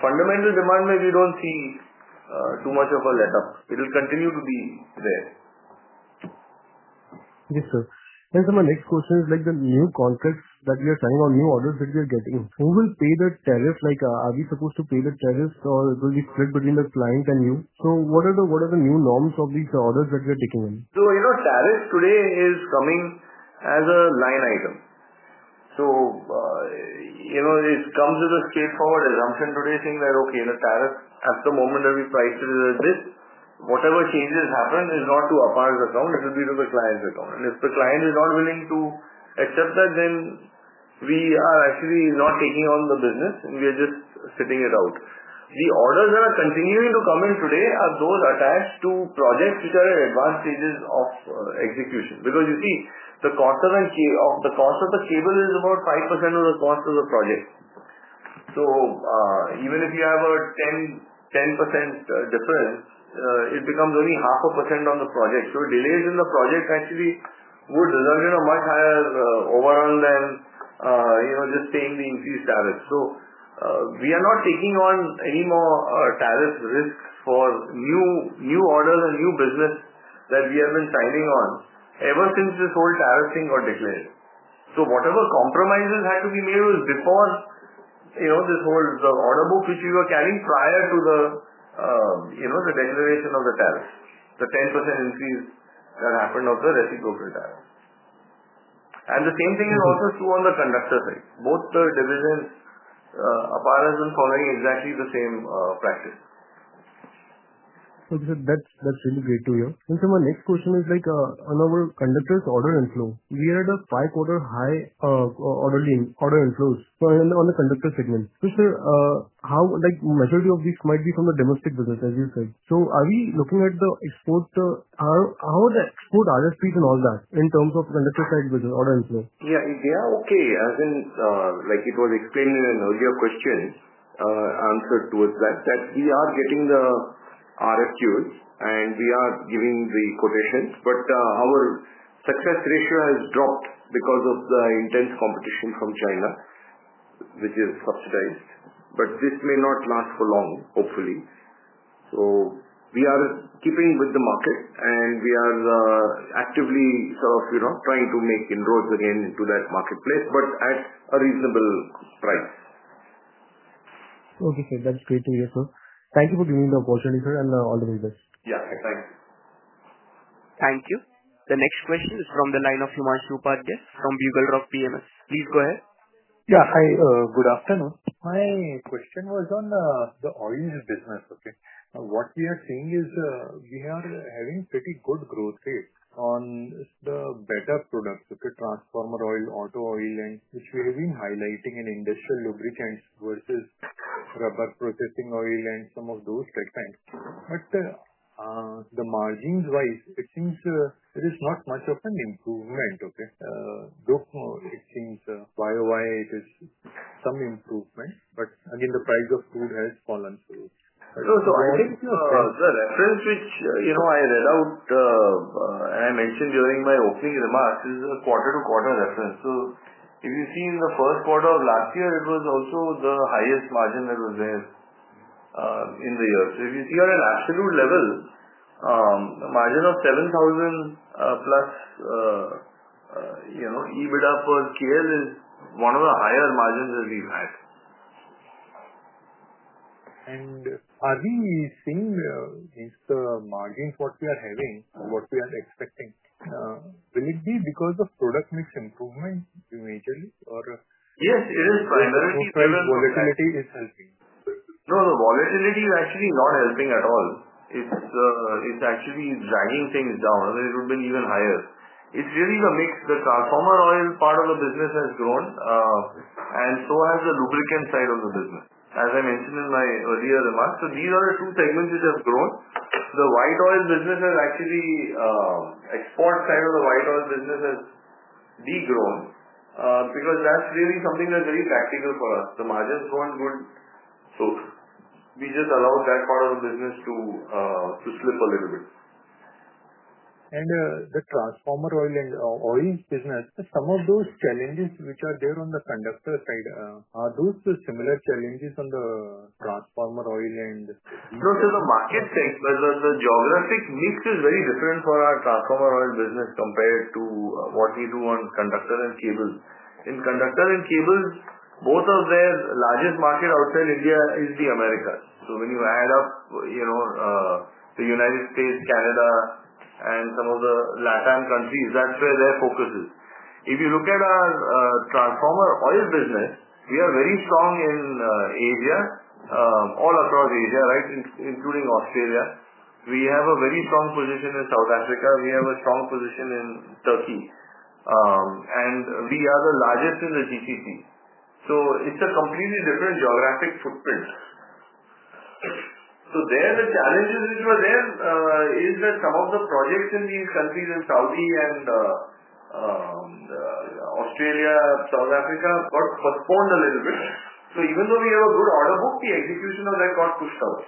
Speaker 3: fundamental demand may. We don't. See too much of a let up. It will continue to be there.
Speaker 10: Yes sir. My next question is, like the new contracts that we are signing or new orders that we are getting, who will pay the tariff? Are we supposed to pay the tariffs or will it be split between the client and you? What are the new norms of these orders that we are taking in?
Speaker 3: Tariffs today is coming. As a line item, you know it comes with a. Straightforward assumption today, saying that okay, the tariff at the moment that we price. It is at this, whatever changes happen is not to APAR's account, it will. Be to the client's account. If the client is not willing. To accept that, then we are actually not taking on the business and we. Are just sitting it out. The orders that are continuing to come. In today are those attached to projects. Which are at advanced stages of execution. Because you see the cost of the. Cable is about 5% of the cost of the project. Even if you have a 10%. Difference, it becomes only 0.5% on the project. Delays in the project actually would. Result in a much higher overall than. Just paying the increased tariffs. We are not taking on any more tariff risk for new orders and new business that we have been signing on ever since this whole tariff thing got declared. Whatever compromises had to be made. Was before, you know, this whole order. Book which we were carrying prior to. The declaration of the tariff, the 10% increase that happened of the reciprocal tariff. The same thing is also true. On the conductor side. Both the division, APAR, isn't following exactly the same practice.
Speaker 10: That's really great to hear. My next question is like on our conductor's order inflow, we had a five quarter high order inflows on the conductor segment. Majority of these might be from the domestic business as you said. Are we looking at the exports? How are the export RSPs and all that in terms of conductor side business order inflow?
Speaker 3: Yeah, they are okay. As in, like it was explained in an earlier question answered towards that, we are getting the RFQs and we are giving the quotations, but our success ratio has dropped because of the intense competition from Chinese, which is subsidized. This may not last for long, hopefully. We are keeping with the market and we are actively, sort of, you know, trying to make inroads again into that marketplace, but at a reasonable price.
Speaker 10: Okay, sir, that's great to hear, sir. Thank you for giving the opportunity, sir, and all the very best.
Speaker 3: Yeah, thank you.
Speaker 1: Thank you. The next question is from the line of Himanshu Upadhyay from BugleRock Capital. Please go ahead.
Speaker 11: Yeah, hi, good afternoon. My question was on the oils business. What we are seeing is we are having pretty good growth rate on the better products, transformer oil, auto oil, and which we have been highlighting in industrial lubricants versus rubber processing oil and some of those tech times. The margins wise it seems there is not much of an improvement, though it seems year over year it is some improvement, but again the price of crude has fallen.
Speaker 3: The reference which you know, I read out and I mentioned during my opening remarks is a quarter-to-quarter reference. If you see in the first. Quarter of last year it was also. The highest margin that was there in the year. If you see on an absolute. Level the margin of 7,000+ EBITDA per kL is one of the higher. Margins that we've had.
Speaker 11: Are we seeing these margins, what we are having, what we are expecting, will it be because of product mix improvement majorly or. Yes, is it primarily volatility is helping?
Speaker 3: No, the volatility is actually not helping at all. It's actually dragging things down. It would be even higher. It's really the mix, the transformer oil part of the business. Has grown and so has the lubricant side of the business, as I mentioned in my earlier remarks. These are the two segments which have grown. The white oil business has actually export. Side of the white oil business has. Degrown because that's really something that's very practical for us. The margins grown good, we just allowed that part of the business to slip a little bit.
Speaker 11: The transformer oil and oil business, some of those challenges which are there on the conductor side, are those similar challenges on the transformer oil end?
Speaker 3: No sir. The market, the geographic mix is very. Different for our transformer oil business compared to what we do on conductor and cables. In conductor and cables, both of their. Largest market outside India is the U.S. When you add up the United States, Canada, and some of the LATAM. Countries, that's where they're focused. If you look at our transformer oil. Business, we are very strong in Asia, all across Asia. Right. Including Australia, we have a very strong position in South Africa, we have a strong position in Turkey, and we are. The largest in the GCC. It's a completely different geographic footprint. The challenges which were there is that some of the projects in these countries in Saudi and. Australia, South Africa got postponed a little bit. Even though we have a good. Order book, the execution of that got pushed out.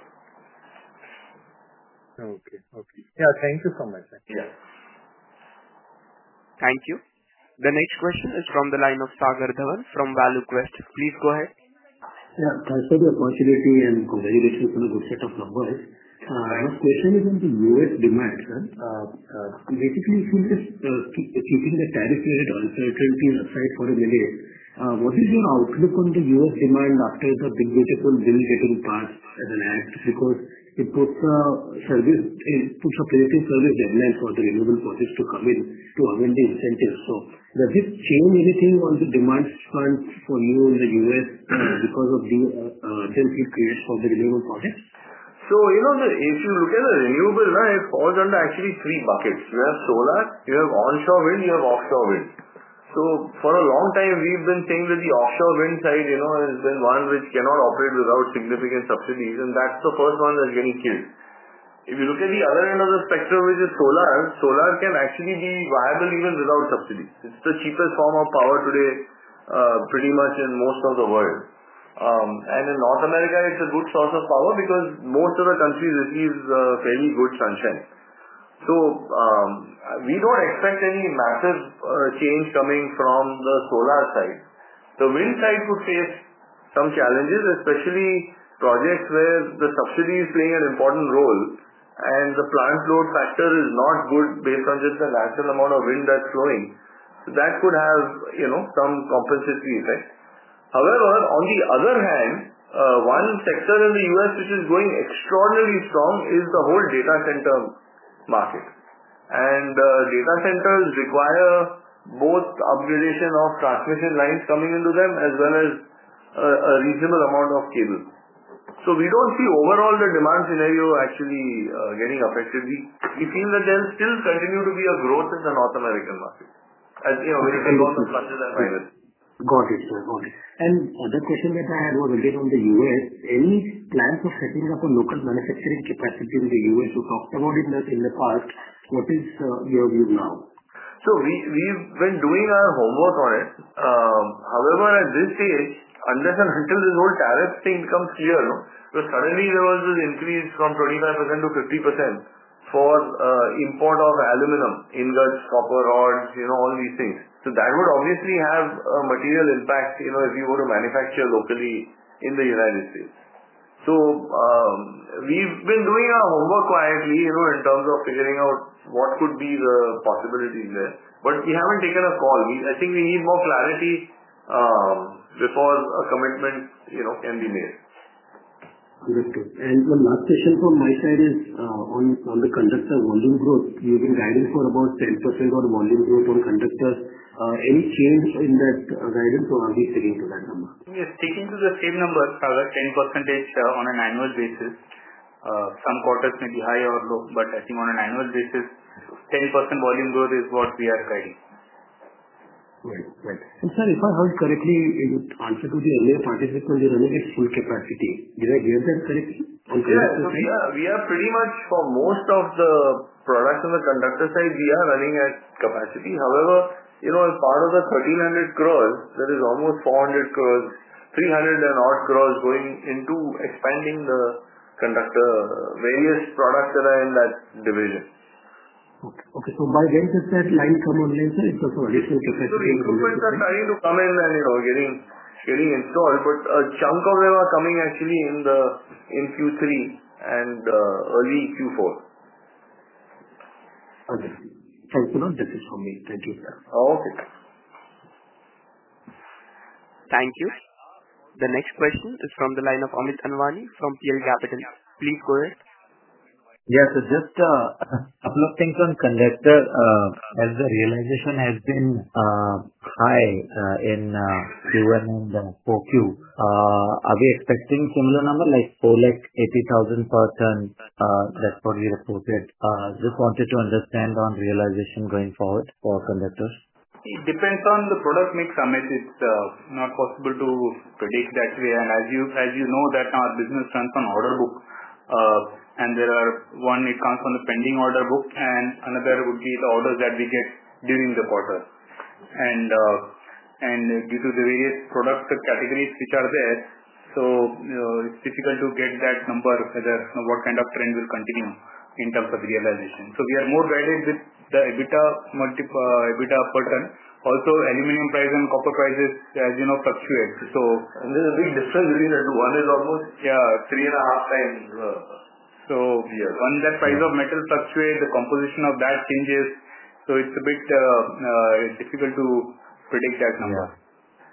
Speaker 11: Okay. Okay. Yeah.
Speaker 6: Thank you so much.
Speaker 1: Thank you. The next question is from the line of Sagar Dhawan from ValueQuest.
Speaker 12: Please go ahead, consider the opportunity and congratulations upon a good set of numbers. My question is on the U.S. demand sir, basically if you just keeping the tariff related oil central aside for a minute, what is your outlook on the U.S. demand after the big beautiful bill getting passed as an act because it puts a predictive service deadline for the renewable projects to come in to amend the incentives. Does it change anything on the demand front for you in the U.S. because of the.
Speaker 3: If you look at. The renewable, it falls under actually three buckets. You have solar, you have onshore wind, you have offshore wind. For a long time we've been saying that the offshore wind side, you. Know, has been one which cannot operate without significant subsidies. That's the first one that's getting killed. If you look at the other end of the spectrum, which is solar, solar. Can actually be viable even without subsidies. It's the cheapest form of power today. Pretty much in most of the world. In North America, it's a good source of power because most of the. Countries receive fairly good sunshine. We don't expect any massive change coming from the solar side. The wind side could face some challenges, especially projects where the subsidy is playing an important role and the plant load factor is not good based on just the natural amount of wind that's flowing. That could have some compensatory effect. However, on the other hand, one sector. In the U.S., which is going extraordinarily. Strong is the whole data center market. Data centers require both upgradation of. Transmission lines coming into them as well. As a reasonable amount of cables. We don't see overall the demand. Scenario actually getting affected. We feel that there'll still continue to. Be a growth in the North American market.
Speaker 12: Got it, sir, got it. The other question that I had was again on the U.S. Any plans of setting up a local manufacturing capacity in the U.S.? You talked about it in the past, what is your view now?
Speaker 3: We've been doing our homework on it. However, at this stage, unless and until this whole tariff thing becomes clear. Suddenly there was this increase from 25%. To 50% for import of aluminum ingots. Copper rod, all these things. That would obviously have a material. Impact if you were to manufacture locally in the U.S. We've been doing our homework quietly in terms of figuring out what could. The possibility is there, but we haven't taken a call. I think we need more clarity before a commitment can be made.
Speaker 12: The last question from my side is on the conductor volume growth. You have been guiding for about 10% of the volume growth on conductors. Any change in that guidance or are. We sticking to that number? Sticking to the same number, 10% on an annual basis, some quarters may. Be high or low, I think. On an annual basis, 10% volume growth. Is what we are guiding. Sir, if I heard correctly, answer to the earlier participant's running its full capacity. Did I get that correctly?
Speaker 3: We are pretty much for most of. The products on the conductor side, we are running at capacity. However, you know, as part of the. 1,300 crores, that is almost 400 crores. 300 crore and odd going into expanding. The conductor, various products that are in. Agricultural divisions are starting to come in, you know, getting installed. A chunk of them are coming. Actually in Q3 and early Q4. This is from me.
Speaker 12: Thank you, sir.
Speaker 3: Okay.
Speaker 1: Thank you. The next question is from the line of Amit Anwani from PL Capital. Please. Go ahead.
Speaker 7: Yes, just a couple of things on conductor as the realization has been high in Q4. Are we expecting a similar number like 480,000 per ton?
Speaker 3: That's what we reported. Just wanted to understand on realization going. Forward for conductors it depends on the product mix, Amit. It's not possible to predict that way. As you know that our business runs on order books and there are one, it comes from the pending order book and another would be the orders that we get during the quarter due to the various product categories which are there. It's difficult to get that number whether what kind of trend will continue. In terms of realization. We are more guided with the EBITDA per ton. Also, aluminum price and copper prices, as you know, fluctuate and there's a big. Difference between the two. One is almost, yeah, 3.5x. When that price of metal fluctuates, the composition of that changes. It's a bit difficult to predict that number.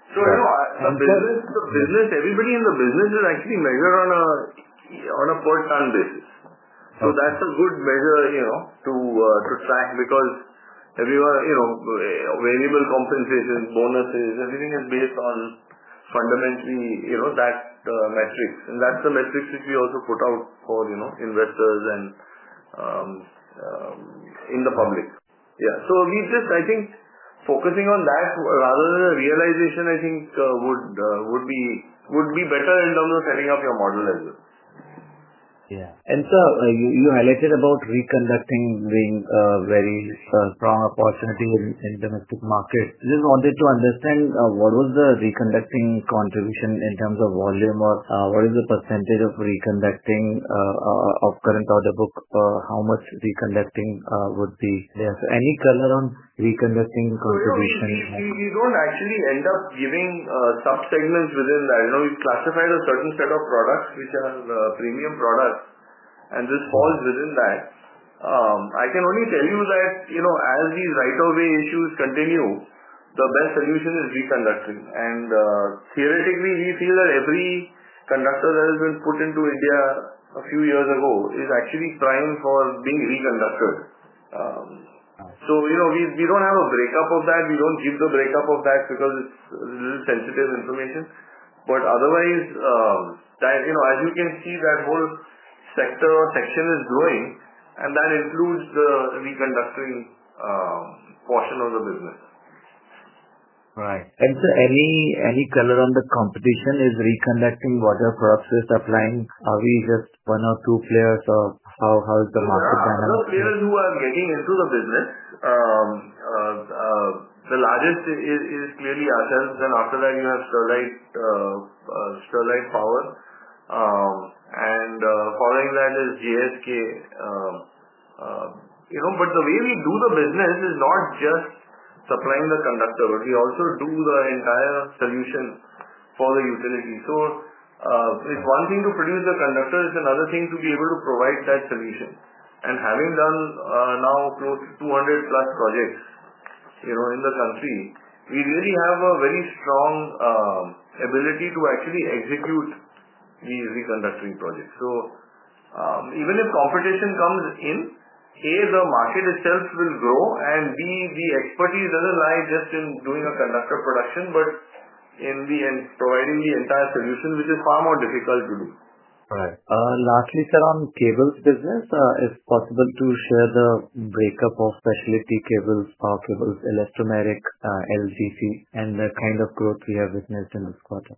Speaker 3: You know the business, everybody in the business is actually measured on a. On a per ton basis, that's a good measure to track because everyone, you know, variable compensation, bonuses, everything is based on fundamentally that metric. That's the metrics which we also. Put out for investors. In the public. I think focusing on that rather. Than a realization I think would be. Better in terms of setting up your model as well.
Speaker 7: Yeah. Sir, you highlighted about reconductoring being very strong opportunity in domestic market. Just wanted to understand what was the reconductoring contribution in terms of volume or what is the percentage of reconductoring of current order book, how much reconductoring would be any color.
Speaker 3: On reconductoring contribution we don't actually end. Up giving sub-segments within that. We classified a certain set of products. Which are premium products, and this falls within that. I can only tell you that as. These right-of-way issues continue. Best solution is reconductoring. Theoretically, we feel that every conductor. That has been put into India. Few years ago is actually primed for being reconductored. We don't have a breakup of that. We don't give the breakup of that. Because it's sensitive information. Otherwise, as you can see that. Whole sector or section is growing. That includes the reconductoring portion of the business.
Speaker 7: Right. Any color on the competition? Is reconductoring what our crops just applying? Are we just one or two players, or how is the market players who?
Speaker 3: Are you getting into the business? The largest is clearly ourselves. After that you have Sterlite Power and following that is GSK. The way we do the business. Is not just supplying the conductor, but. We also do the entire solution for the utility. It's one thing to produce the. Conductor, it's another thing to be able. To provide that solution. Having done now close to 200+ projects in the country, we really have a very strong ability to actually execute these reconductoring projects. Even if competition comes in, the market itself will grow and. The expertise doesn't lie just in doing. A conductor production, but in the end. Providing the entire solution, which is far. More difficult to do.
Speaker 7: Lastly sir, on cables business is possible to share the breakup of specialty cables, power cables, elastomeric LGC, and the kind of growth we have witnessed in this. Quarter,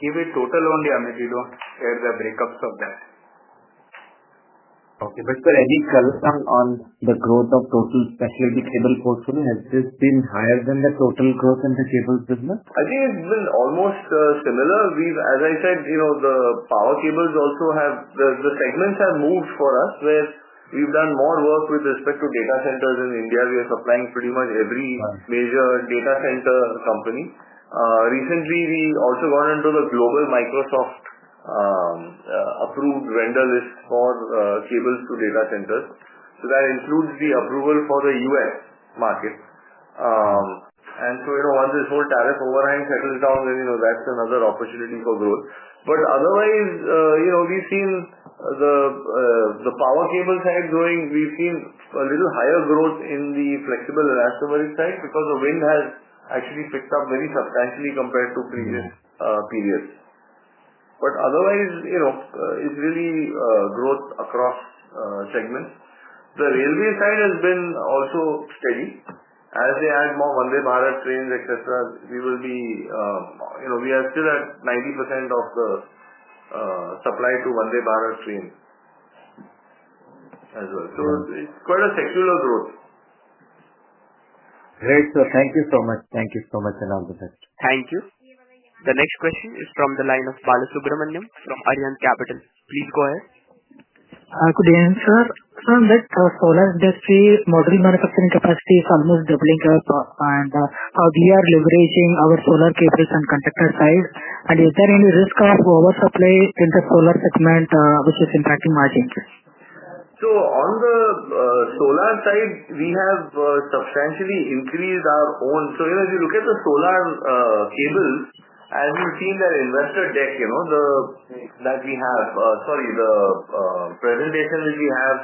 Speaker 3: give it total only. Amit, you don't share the breakups of that.
Speaker 7: Okay, for any color on the growth of total specialty cable portion, has this been higher than the total growth in the cable business?
Speaker 3: I think it's been almost similar. As I said, the power cables also have the segments have moved for us where we've done more work with respect. To data centers in India, we are supplying pretty much every major data center company. Recently we also got into the global. Microsoft approved vendor list for cables to data centers. That includes the approval for the U.S. market. You know, once this whole. Tariff overhang settles down, that's another opportunity for growth. Otherwise, you know we've seen the power cable side growing. We've seen a little higher growth in. The flexible elastomeric side because the wind. Has actually picked up very substantially compared to previous periods. Otherwise, you know, it's really growth across segments. The railway side has been also steady as they add more Vande Bharat trains, etc. We are still at 90% of the supply to Vande Bharat Train as well. It is quite a secular growth.
Speaker 7: Great sir, thank you so much. Thank you so much and all the best.
Speaker 1: Thank you. The next question is from the line of Balasubramanyam from Arihant Capital. Please go ahead. Good answer, sir. With solar industry model manufacturing capacity is almost doubling up, and how we are leveraging our solar cables and conductor side, and is there any risk of oversupply in the solar segment which is impacting our changes.
Speaker 3: On the solar side, we have substantially increased our own. If you look at. The solar cable, as you see in. The investor tech that we have, sorry, the presentation which we have,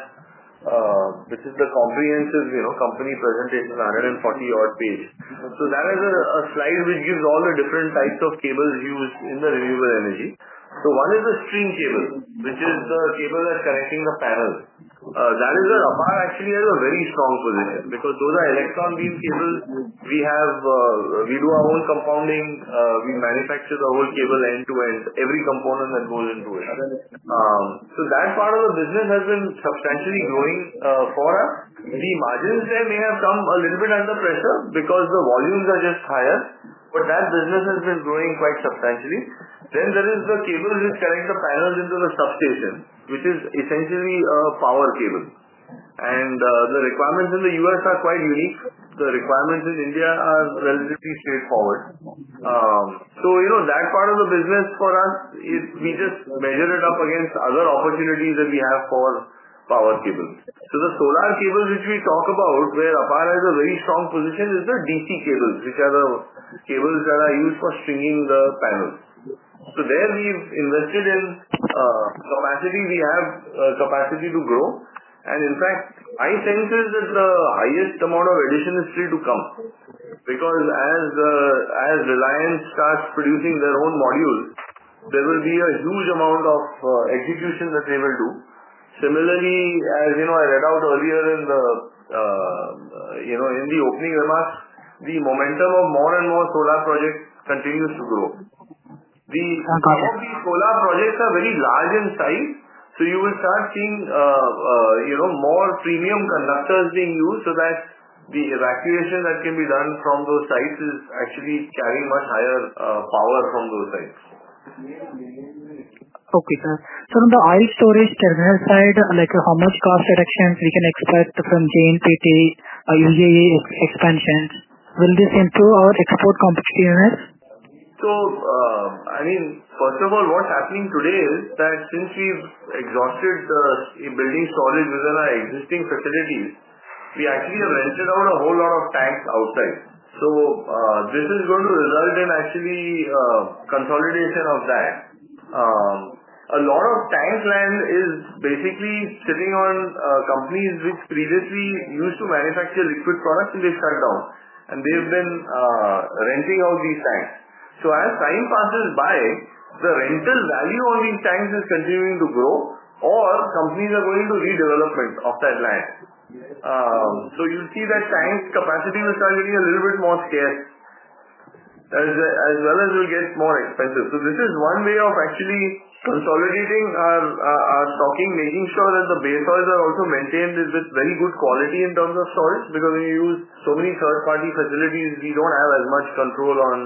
Speaker 3: which is the comprehensive company presentation, 140-odd pages. That is a slide which gives all the different types of cables used. In the renewable energy. One is the string cable, which is the cable that's connecting the panel. That is, the wrapper actually has a. Very strong position because those are electron beam cables. We do our own compounding. We manufacture the whole cable end to end. End, every component that goes into it. That part of the business has. Been substantially growing for us. The margins there may have come a little bit under pressure because the volumes are just higher, but that business has been growing quite substantially. There is the cables which connect. The panels into the substation, which is. Essentially, a power cable. The requirements in the U.S. are quite unique. The requirements in India are relatively straightforward. You know, that part of the. Business for us, we just measure it. Up against other opportunities that we have for power cables. The solar cables which we talk about, where APAR is a very strong position, is the DC cables, which are. The cables that are used for stringing the panels, we've invested in, we have capacity to grow. My sense is that the highest amount of addition is still. To come because as Reliance starts producing their own modules, there will be a huge amount of execution that they will do. Similarly, as you know, I read out. Earlier in the, you know, in the. Opening remarks, the momentum of more and. More solar projects continue to grow. Some of the solar projects are very large in size, so you will start. Seeing more premium conductors being used. That the evacuation that can be done. From those sites is actually carrying much. Higher power from those sites. Okay, sir. On the oil storage terminal side, how much cost reductions can we expect from JNPT expansions? Will this improve our export competition units? First of all, what's. Happening today is that since we've exhausted. The building storage within our existing facilities. We actually have rented out a whole. Lot of tanks outside. This is going to result in. Actually, consolidation of that. A lot of tank land is basically. Sitting on companies which previously used to. Manufacture liquid products, and they shut down. They've been renting out these tanks. As time passes by, the rental value on these tanks is continuing to. Grow or companies are going to redevelopment of that land. You see that tank capacity will start getting a little bit more scarce. As well as it will get more expensive. This is one way of actually consolidating our stocking, making sure that the base oils are also maintained with very good quality in terms of salts. Because when you use so many third party facilities, we don't have as much. Control on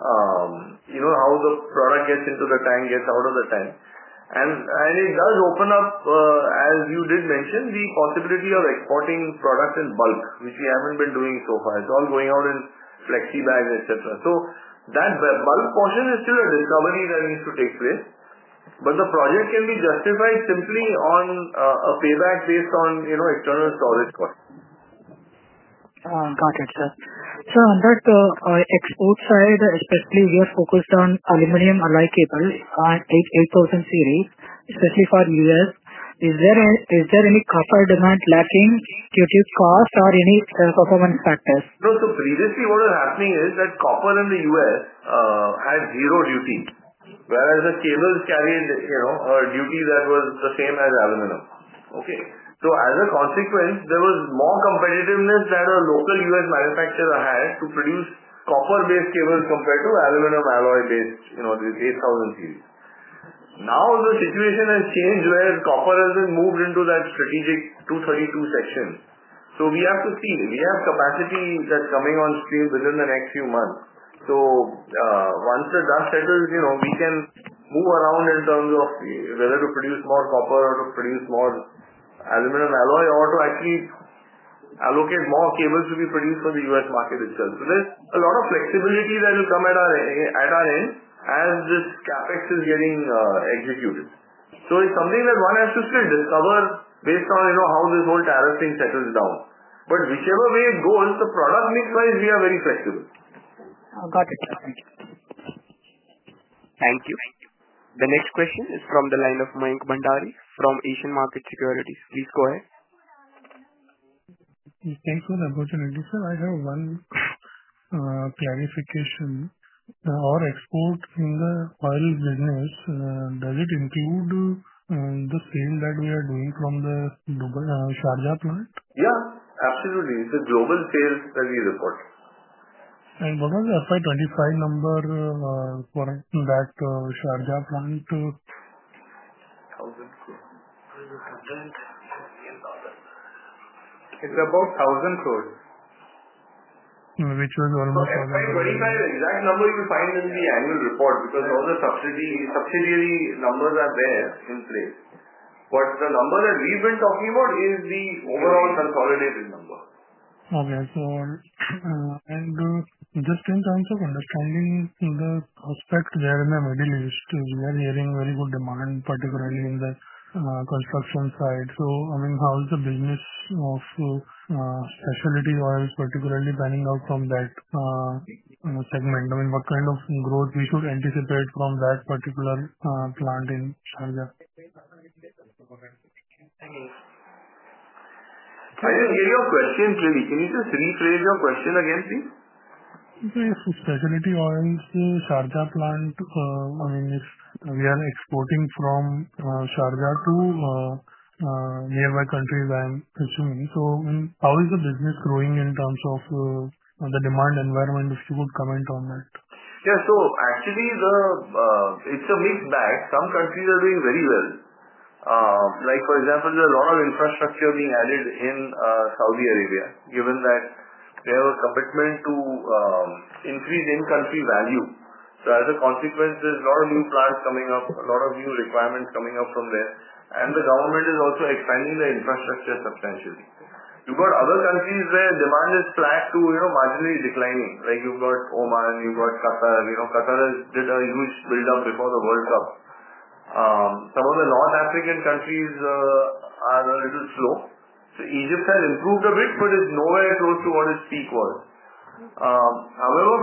Speaker 3: how the product gets into the tank, gets out of the tank. It does open up, as you did mention, the possibility of exporting products. In bulk, which we haven't been doing so far, it's all going out in flexi bags, etc. That bulk portion is still a discovery that needs to take place, but the project can be justified simply. On a payback based on, you know, external storage cost. Got it, sir. On that export side, especially we are focused on aluminum alloy cable, 8000 series, especially for US. Is there any copper demand lacking due to cost or any performance factors? Previously what was happening is that. Copper in the U.S. had zero duty. Whereas the cables carried duty that was. The same as aluminum. As a consequence, there was more competitiveness that a local U.S. manufacturer had to produce copper-based cables compared to. Aluminum alloy-based 8000 series. Now the situation has changed where copper. Has been moved into that situation, strategic 232 sections. We have to see we have capacity that's coming on stream within the next few months. Once the dust settles, you know. We can move around in terms of. Whether to produce more copper or to produce more aluminum alloy or to actually. Allocate more cables to be produced for. The US market itself. There is a lot of flexibility that will come at our end as this. CapEx is getting executed.
Speaker 13: It is something that one has to still discover based on, you know, how this whole tariff thing settles down. Whichever way it goes, the product mix wise we are very flexible.
Speaker 1: Thank you. The next question is from the line of Mayank Bhandari from Asian Market Securities. Please go ahead.
Speaker 14: Thanks for the opportunity. Sir, I have one clarification: for export in the oil business, does it include the same that we are doing from the Sharjah plant?
Speaker 3: Yeah, absolutely. It's a global sales that we report.
Speaker 14: What was the FY 2025 number for that Sharjah plant?
Speaker 13: Thousand crore. It's about 1,000 crore. Which was almost. Exact number you will find in the. Annual report because all the subsidiary. Numbers are there in place. The number that we've been talking. About is the overall consolidated number.
Speaker 14: Okay, and just in terms of understanding the aspect there in the Middle East, we are hearing very good demand, particularly in the construction side. I mean, how's the business of specialty oils particularly panning out from that segment? What kind of growth should we anticipate from that particular plant in Sharjah?
Speaker 3: I didn't hear your question, Mayank. Can you just rephrase your question again, please?
Speaker 14: Specialty oils, Sharjah plant. I mean we are exporting from Sharjah to nearby countries, I am assuming. How is the business growing in terms of the demand environment, if you could comment on that?
Speaker 3: Yeah, actually it's a mixed bag. Some countries are doing very well. For example, there are a lot. Of infrastructure being added in Saudi Arabia, given that they have a commitment to. Increase in country value. As a consequence, there's a lot. Of plants coming up, a lot of new requirements coming up from there, and the government is also expanding the infrastructure substantially. You've got other countries where demand is. Flat to, you know, marginally declining. Like you've got Oman, you've got Qatar. You know, Qatar did a huge build up before the World Cup. Some of the North African countries are a little slow. Egypt has improved a bit, but. It's nowhere close to what its peak was. However,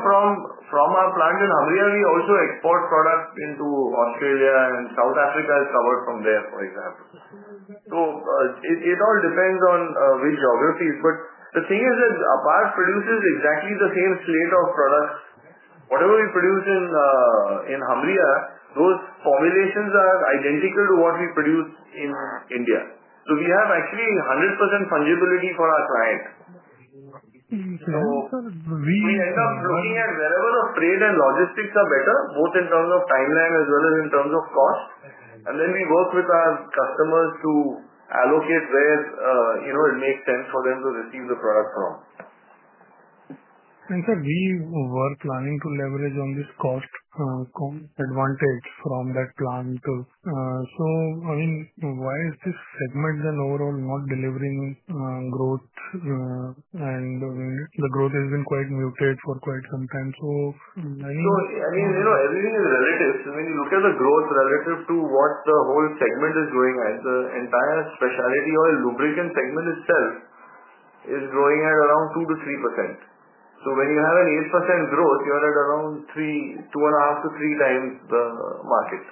Speaker 3: from our plant in [Umbergaon], we. Also export product into Australia and South Africa. Africa is covered from there, for example. It all depends on which geographies. APAR produces exactly the same slate of products. Whatever we produce in Hamriyah, those formulations. Are identical to what we produce in India. We have actually 100% fungibility for our client. We end up looking at wherever. The trade and logistics are better, both in terms of timeline as well. In terms of cost. We work with our customers. To allocate where it makes. Sense for them to receive the product from.
Speaker 14: Sir, we were planning to leverage on this cost advantage from that plant. I mean, why is this segment and overall not delivering growth?
Speaker 3: The growth has been quite muted for quite some time. I mean, you know, everything is relative when you look at the growth. Relative to what the whole segment is growing at, the entire specialty oil lubricant segment itself is growing at around 2%-3%. When you have an 8% growth. You are at around 2.5x-3x the market.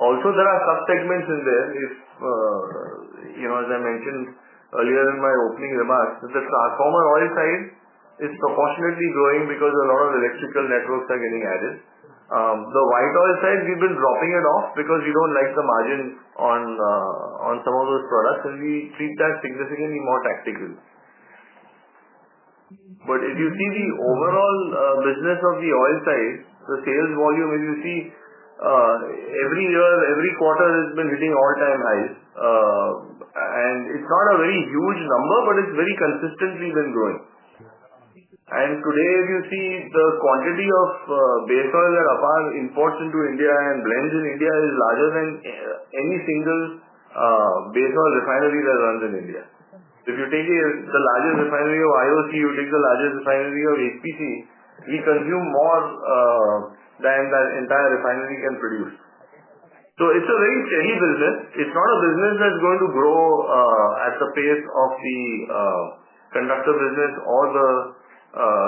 Speaker 3: Also, there are some segments in there. If you, as I mentioned earlier. My opening remarks, the transformer oil side. Is proportionately growing because a lot of. Electrical networks are getting added. The white oil side, we've been dropping it off because we don't like the. Margin on some of those products, and we treat that significantly more tactical. If you see the overall business of the oil side, the sales volume is, every year, every quarter has. Been hitting all-time highs and it's. Not a very huge number, but it's. Very consistently been growing. If you see the quantity today. The base oil that APAR imports into India and blends in India is larger. Than any single base oil refinery that runs in India. If you take the largest refinery of. IOC, you take the largest refinery or. HPC, we consume more than that entire refinery can produce. It's a very steady business. It's not a business that's going to. Grow at the pace of the conductor business or the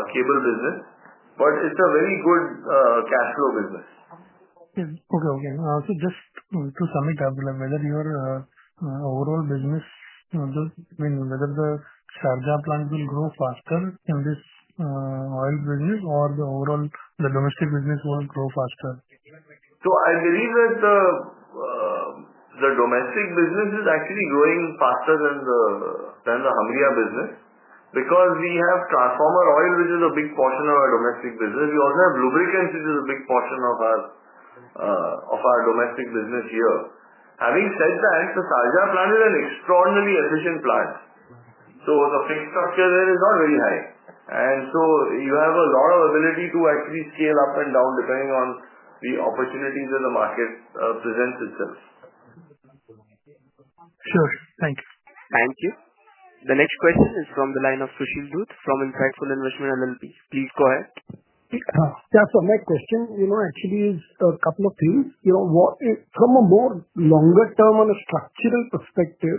Speaker 3: cable business, but it's a very good cash flow business. Okay.
Speaker 14: Okay. To sum it up, whether your overall business, whether the Sharjah plant will grow faster in this oil business or the overall, the domestic business won't grow faster.
Speaker 3: I believe that the domestic business. Is actually growing faster than Hungary. Business because we have transformer oil, which is a big portion of our domestic business. We also have lubricants, which is a. Big portion of our domestic business here. Having said that, the Sharjah plant is an extraordinarily efficient plant. The fixed structure there is not. Very high, and so you have a. Lot of ability to actually scale up. and down depending on the opportunities that arise. The market presents itself.
Speaker 14: Sure.
Speaker 3: Thank you.
Speaker 1: Thank you. The next question is from the line of Sushil Dhoot from Insightful Investment LLP. Please go ahead.
Speaker 15: Yeah, so my question is a couple of things. From a more longer term, on a structural perspective,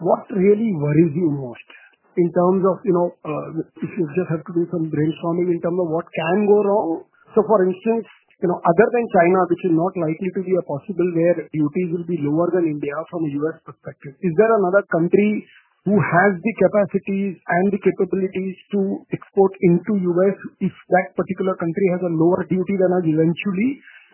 Speaker 15: what really worries you most in terms of if you just have to do some brainstorming in terms of what can go wrong? For instance, other than. China, which is not likely to be. A possible where duties will be lower than India, from a U.S. perspective, is there another country who has the capacities. The capabilities to export into the U.S. If that particular country has a lower duty than us eventually,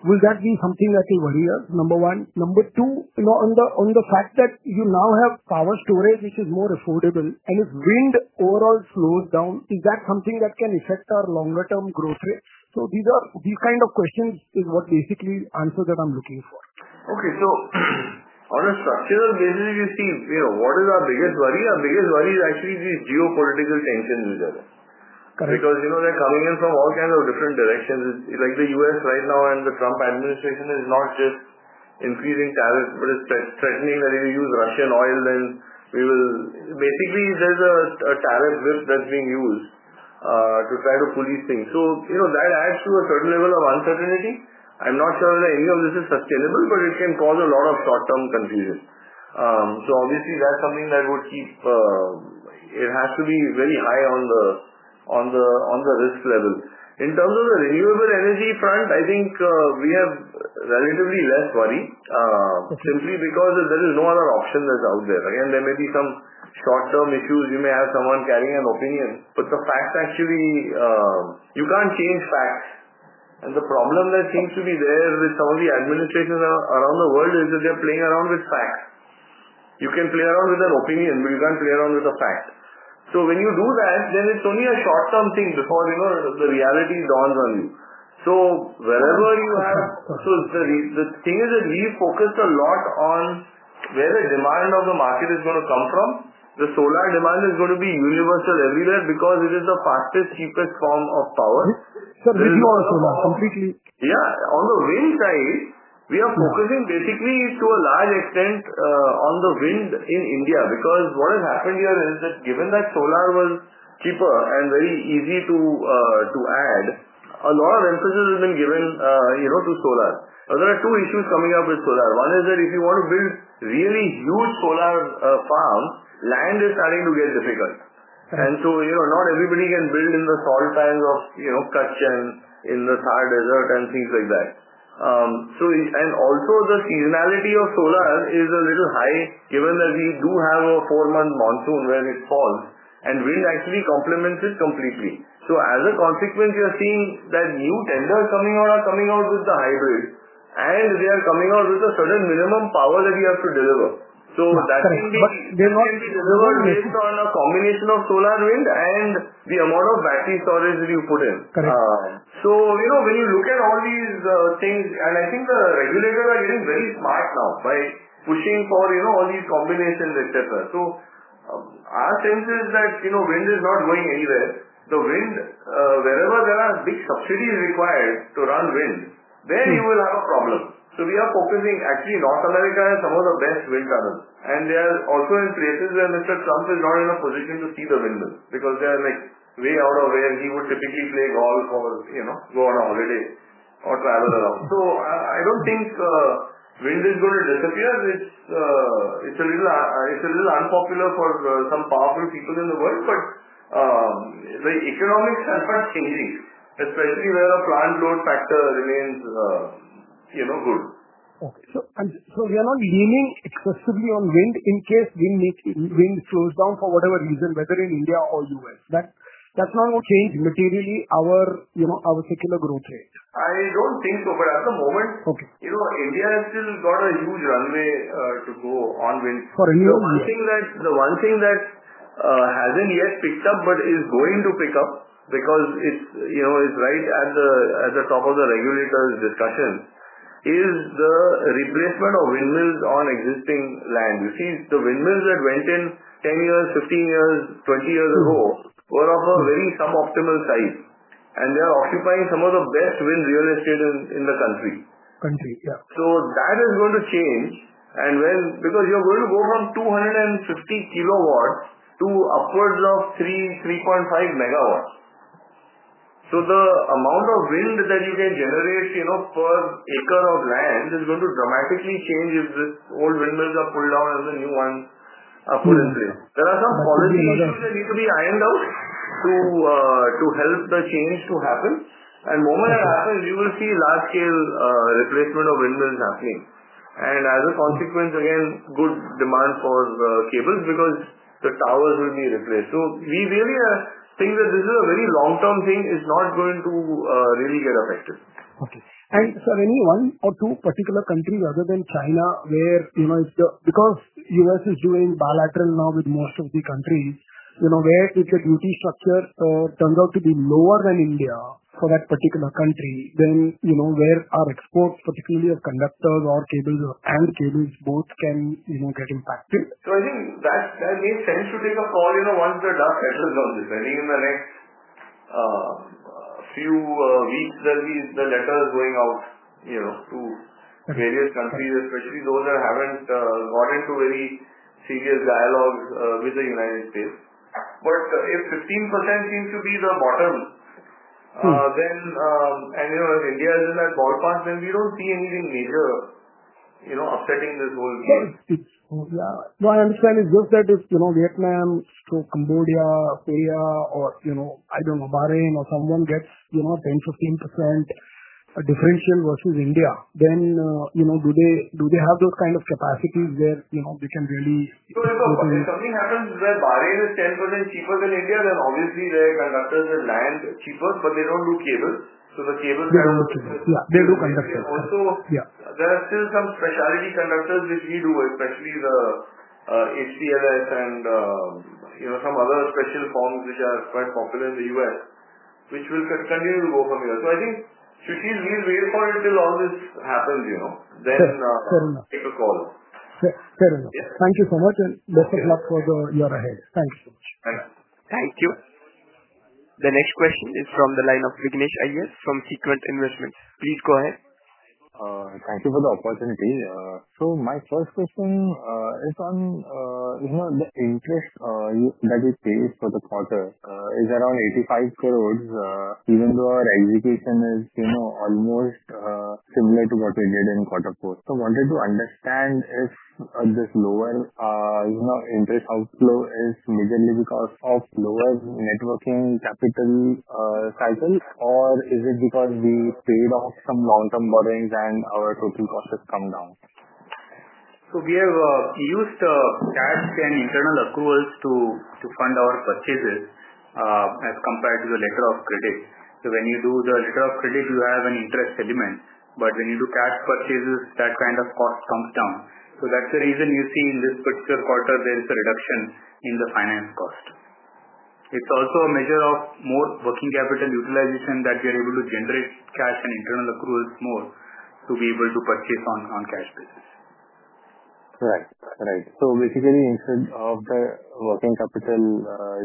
Speaker 15: will that be something that will worry us? Number one? Number two, on the fact that you. Now have power storage which is more affordable, and if wind overall slows down, is that something that can affect our longer term growth rates? These kind of questions is what. Basically, answer that I'm looking for, okay.
Speaker 3: On a structural basis, if you see what is our biggest worry, our biggest worry is actually these geopolitical tensions. Because, you know, they're coming in from. All kinds of different directions. Like the U.S. right now and the. Trump administration is not just increasing tariffs. It's threatening that if you use Russian oil then we will. Basically, there's a tariff whip that's being. Used to try to police things. That adds to a certain level of uncertainty. I'm not sure that any of this is sustainable, but it can cause a. Lot of short-term confusion. Obviously, that's something that would keep. It has to be very high on the risk level. In terms of the renewable energy front. I think we have relatively less worry. Simply because there is no other option that's out there. Again, there may be some short term. Issues, you may have someone carrying an. Opinion, but you can't change facts. The problem that seems to be. There with some of the administrations around the world is that they're playing around with facts. You can play around with an opinion, but you can't play around with the fact. When you do that, then it's only a short term thing before you. The reality dawns on you. Wherever you are, the thing is. That we focus a lot on where the demand of the market is going to come from. The solar demand is going to be universal everywhere because it is the fastest. Cheapest form of power completely. Yeah, on the wind side, we are focusing. Basically, to a large extent, on the. Wind in India because what has happened is that given that solar was cheaper and very easy to add, a lot of emphasis has been given to solar. There are two issues coming up with solar. One is that if you want to. Build really huge solar farms, land is. Starting to get difficult. Not everybody can build in. The salt pans of Kutch and in. The Thar Desert and things like that. The seasonality of solar is a little high given that we do. Have a four month monsoon where it falls, and wind actually complements it completely. As a consequence, you are seeing that new tender coming out, are coming. Out with the hybrid, and they are. Coming out with a certain minimum power that you have to deliver. That can be delivered based on. A combination of solar, wind, and the amount of battery storage that you put in. When you look at all these things, and I think the. Regulators are getting very smart now. Pushing for all these combinations, etc. Our sense is that, you know, wind is not going anywhere. Wherever there are big subsidies required to run wind, then you will have a problem. We are focusing. Actually, North America has some of the. Best wind tunnels, and they are also. In places where Mr. Trump is not. In a position to see the windmill. Because they are way out of. Where he would typically play golf or. Go on a holiday or travel around. I don't think wind is going to disappear. It's a little unpopular for some, powerful. People in the world, but the economics. Are changing, especially where a plant load factor remains good.
Speaker 5: We are not gaming excessively on wind in case wind slows down for whatever reason, whether in India. Or U.S.,
Speaker 3: that's not going to change. Materially our secular growth rate. I don't think so. At the moment, India has still got a huge runway to go on winds. I think that the one thing that hasn't yet picked up but is going. To pick up because it's right at. The top of the regulators' discussion is the replacement of windmills on existing land. You see, the windmills that went in. 10 years, 15 years, 20 years ago. Were of a very suboptimal size. They are occupying some of the best wind real estate in the country. That is going to change because you are going to go from 250. Kilowatts to upwards of 3, 3.5 MW. The amount of wind that you. Can generate per acre of land is going to dramatically change if the old. Windmills are pulled down and the new. Ones are put in place. There are some policy issues that need. To be ironed out to help the change to happen. The moment that happens, you will. See large scale replacement of windmills happening. As a consequence, again, good demand. For cables, because the towers will be replaced. We really think that this is a very long term thing. It's not going to really get affected.
Speaker 15: Okay. Sir, any one or two particular countries other than China where, you know, because U.S. is doing bilateral now with most of the countries, you know, where. If the duty structure turns out to be lower than India for that particular. Country, you know where our exports, particularly of conductors or cables and cables both, can get impacted.
Speaker 3: I think that makes sense to take a call, you know, once the. Dust settles on, depending on the rate. few weeks, there'll be the letters going. Out to various countries, especially those that haven't got into any serious dialogues with the U.S. If 15% seems to be the. Bottom then, and you know, if India. Is in that ballpark, then we don't. See anything major upsetting this whole.
Speaker 15: I understand. It's just that if you know, Vietnam, Cambodia, Korea, or I don't know, Bahrain or someone gets, you know, 10% or 15% differential versus India, then you know, do they have those kind of capacities where you know. They can really, if something happens, where. Bahrain is 10% cheaper than India, then. Obviously their conductors and land cheaper.
Speaker 3: They don't do cables, so the cables also there are still. Some specialty conductors, which we do especially. The HPLs and some other special forms, which are quite popular in the US. Which will continue to go from here. I think Shushil, please wait for. It till all this happens, then take a call.
Speaker 15: Fair enough. Thank you so much and best of luck for the year ahead. Thank you so much.
Speaker 6: Thank you.
Speaker 1: The next question is from the line of Vignesh Iyer from Sequium Investment. Please go ahead.
Speaker 16: Thank you for the opportunity. My first question is on the interest that we face for the quarter, which is around 85 crore. Even though our execution is almost similar to what we did in quarter four, I wanted to understand if this lower interest outflow is majorly because of a lower net working capital cycle or if it is because we paid off some long-term borrowings and our total costs have come down.
Speaker 3: We have used cash and internal. Accruals to fund our purchases as compared. To the letter of credit. When you do the letter of credit, you have an interest element, but when you do cash purchases, that kind of cost comes down. That's the reason you see in. This particular quarter, there is a reduction. In the finance cost, it's also a measure of more working capital utilization that we are able to generate cash and internal accruals more to be able to purchase on cash business.
Speaker 16: Right? Right. So basically, instead of the working capital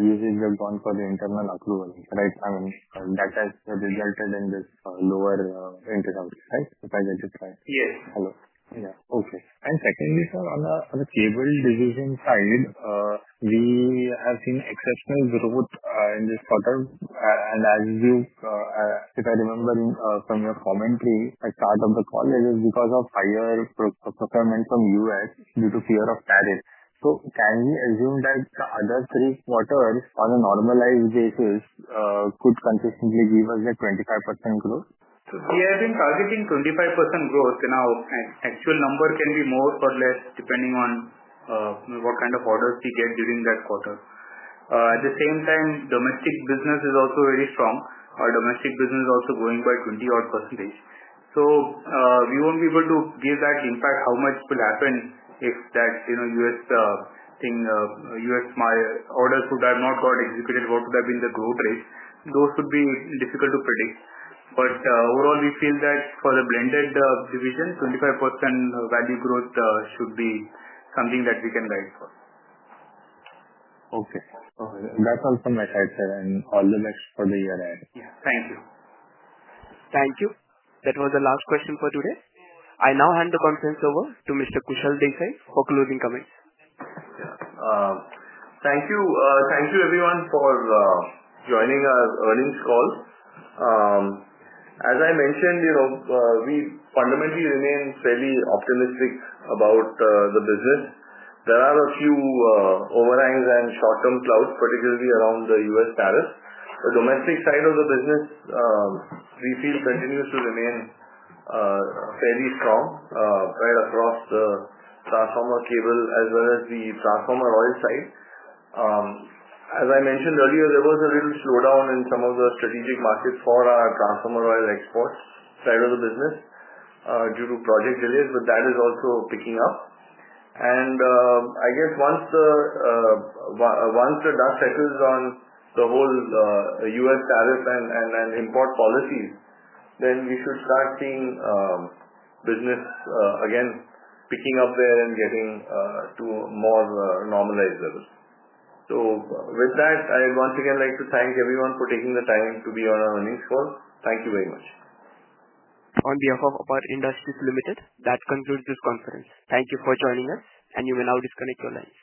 Speaker 16: usage, we have gone for the internal accrual. That has resulted in this lower interest, right? If I get it right. Yes, hello. Okay. Secondly, sir, on the cable division side, we have seen exceptional growth in this quarter, and if I remember from your commentary at the start of the call, it is because of higher procurement from us due to fear of tariff. Can we assume that the other three quarters on a normalized basis could consistently give us a 25% growth?
Speaker 3: So we have been targeting 25 growth in our actual number can be more for less depending on what kind of orders we get during that quarter. At the same time, domestic business is also very strong. Our domestic business is also growing by 20 odd percentage. So we won't be able to give that impact how much will happen if that U.S. Thing, U.S. Orders would have not got executed, would have been the growth rate, those would be difficult to predict. But overall, we feel that for the blended division, 25% value growth should be something that we can guide for.
Speaker 16: Okay. That's all from my side, sir, and all the best for the year ahead.
Speaker 3: Yeah. Thank you.
Speaker 1: Thank you. That was the last question for today. I now hand the conference over to Mr. Kushal Desai for closing comments.
Speaker 3: Yeah. Thank you. Thank you, everyone, for joining our earnings call. As I mentioned, you know, we fundamentally remain fairly optimistic about business. There are a few overhangs and short term clouds, particularly around The U.S. Tariff. The domestic side of the business, we feel continues to remain fairly strong, right across the platform of cable as well as the platform of oil side. As I mentioned earlier, there was a little slowdown in some of the strategic markets for our transformer oil exports side of the business due to project delays, but that is also picking up. And I guess once the dust settles on the whole U.S. Tariff and import policies, then we should start seeing business again picking up there and getting to more normalized levels. So with that, I once again like to thank everyone for taking the time to be on our earnings call. Thank you very much.
Speaker 1: On behalf of APAR Industries Limited, that concludes this conference. Thank you for joining us and you may now disconnect your lines.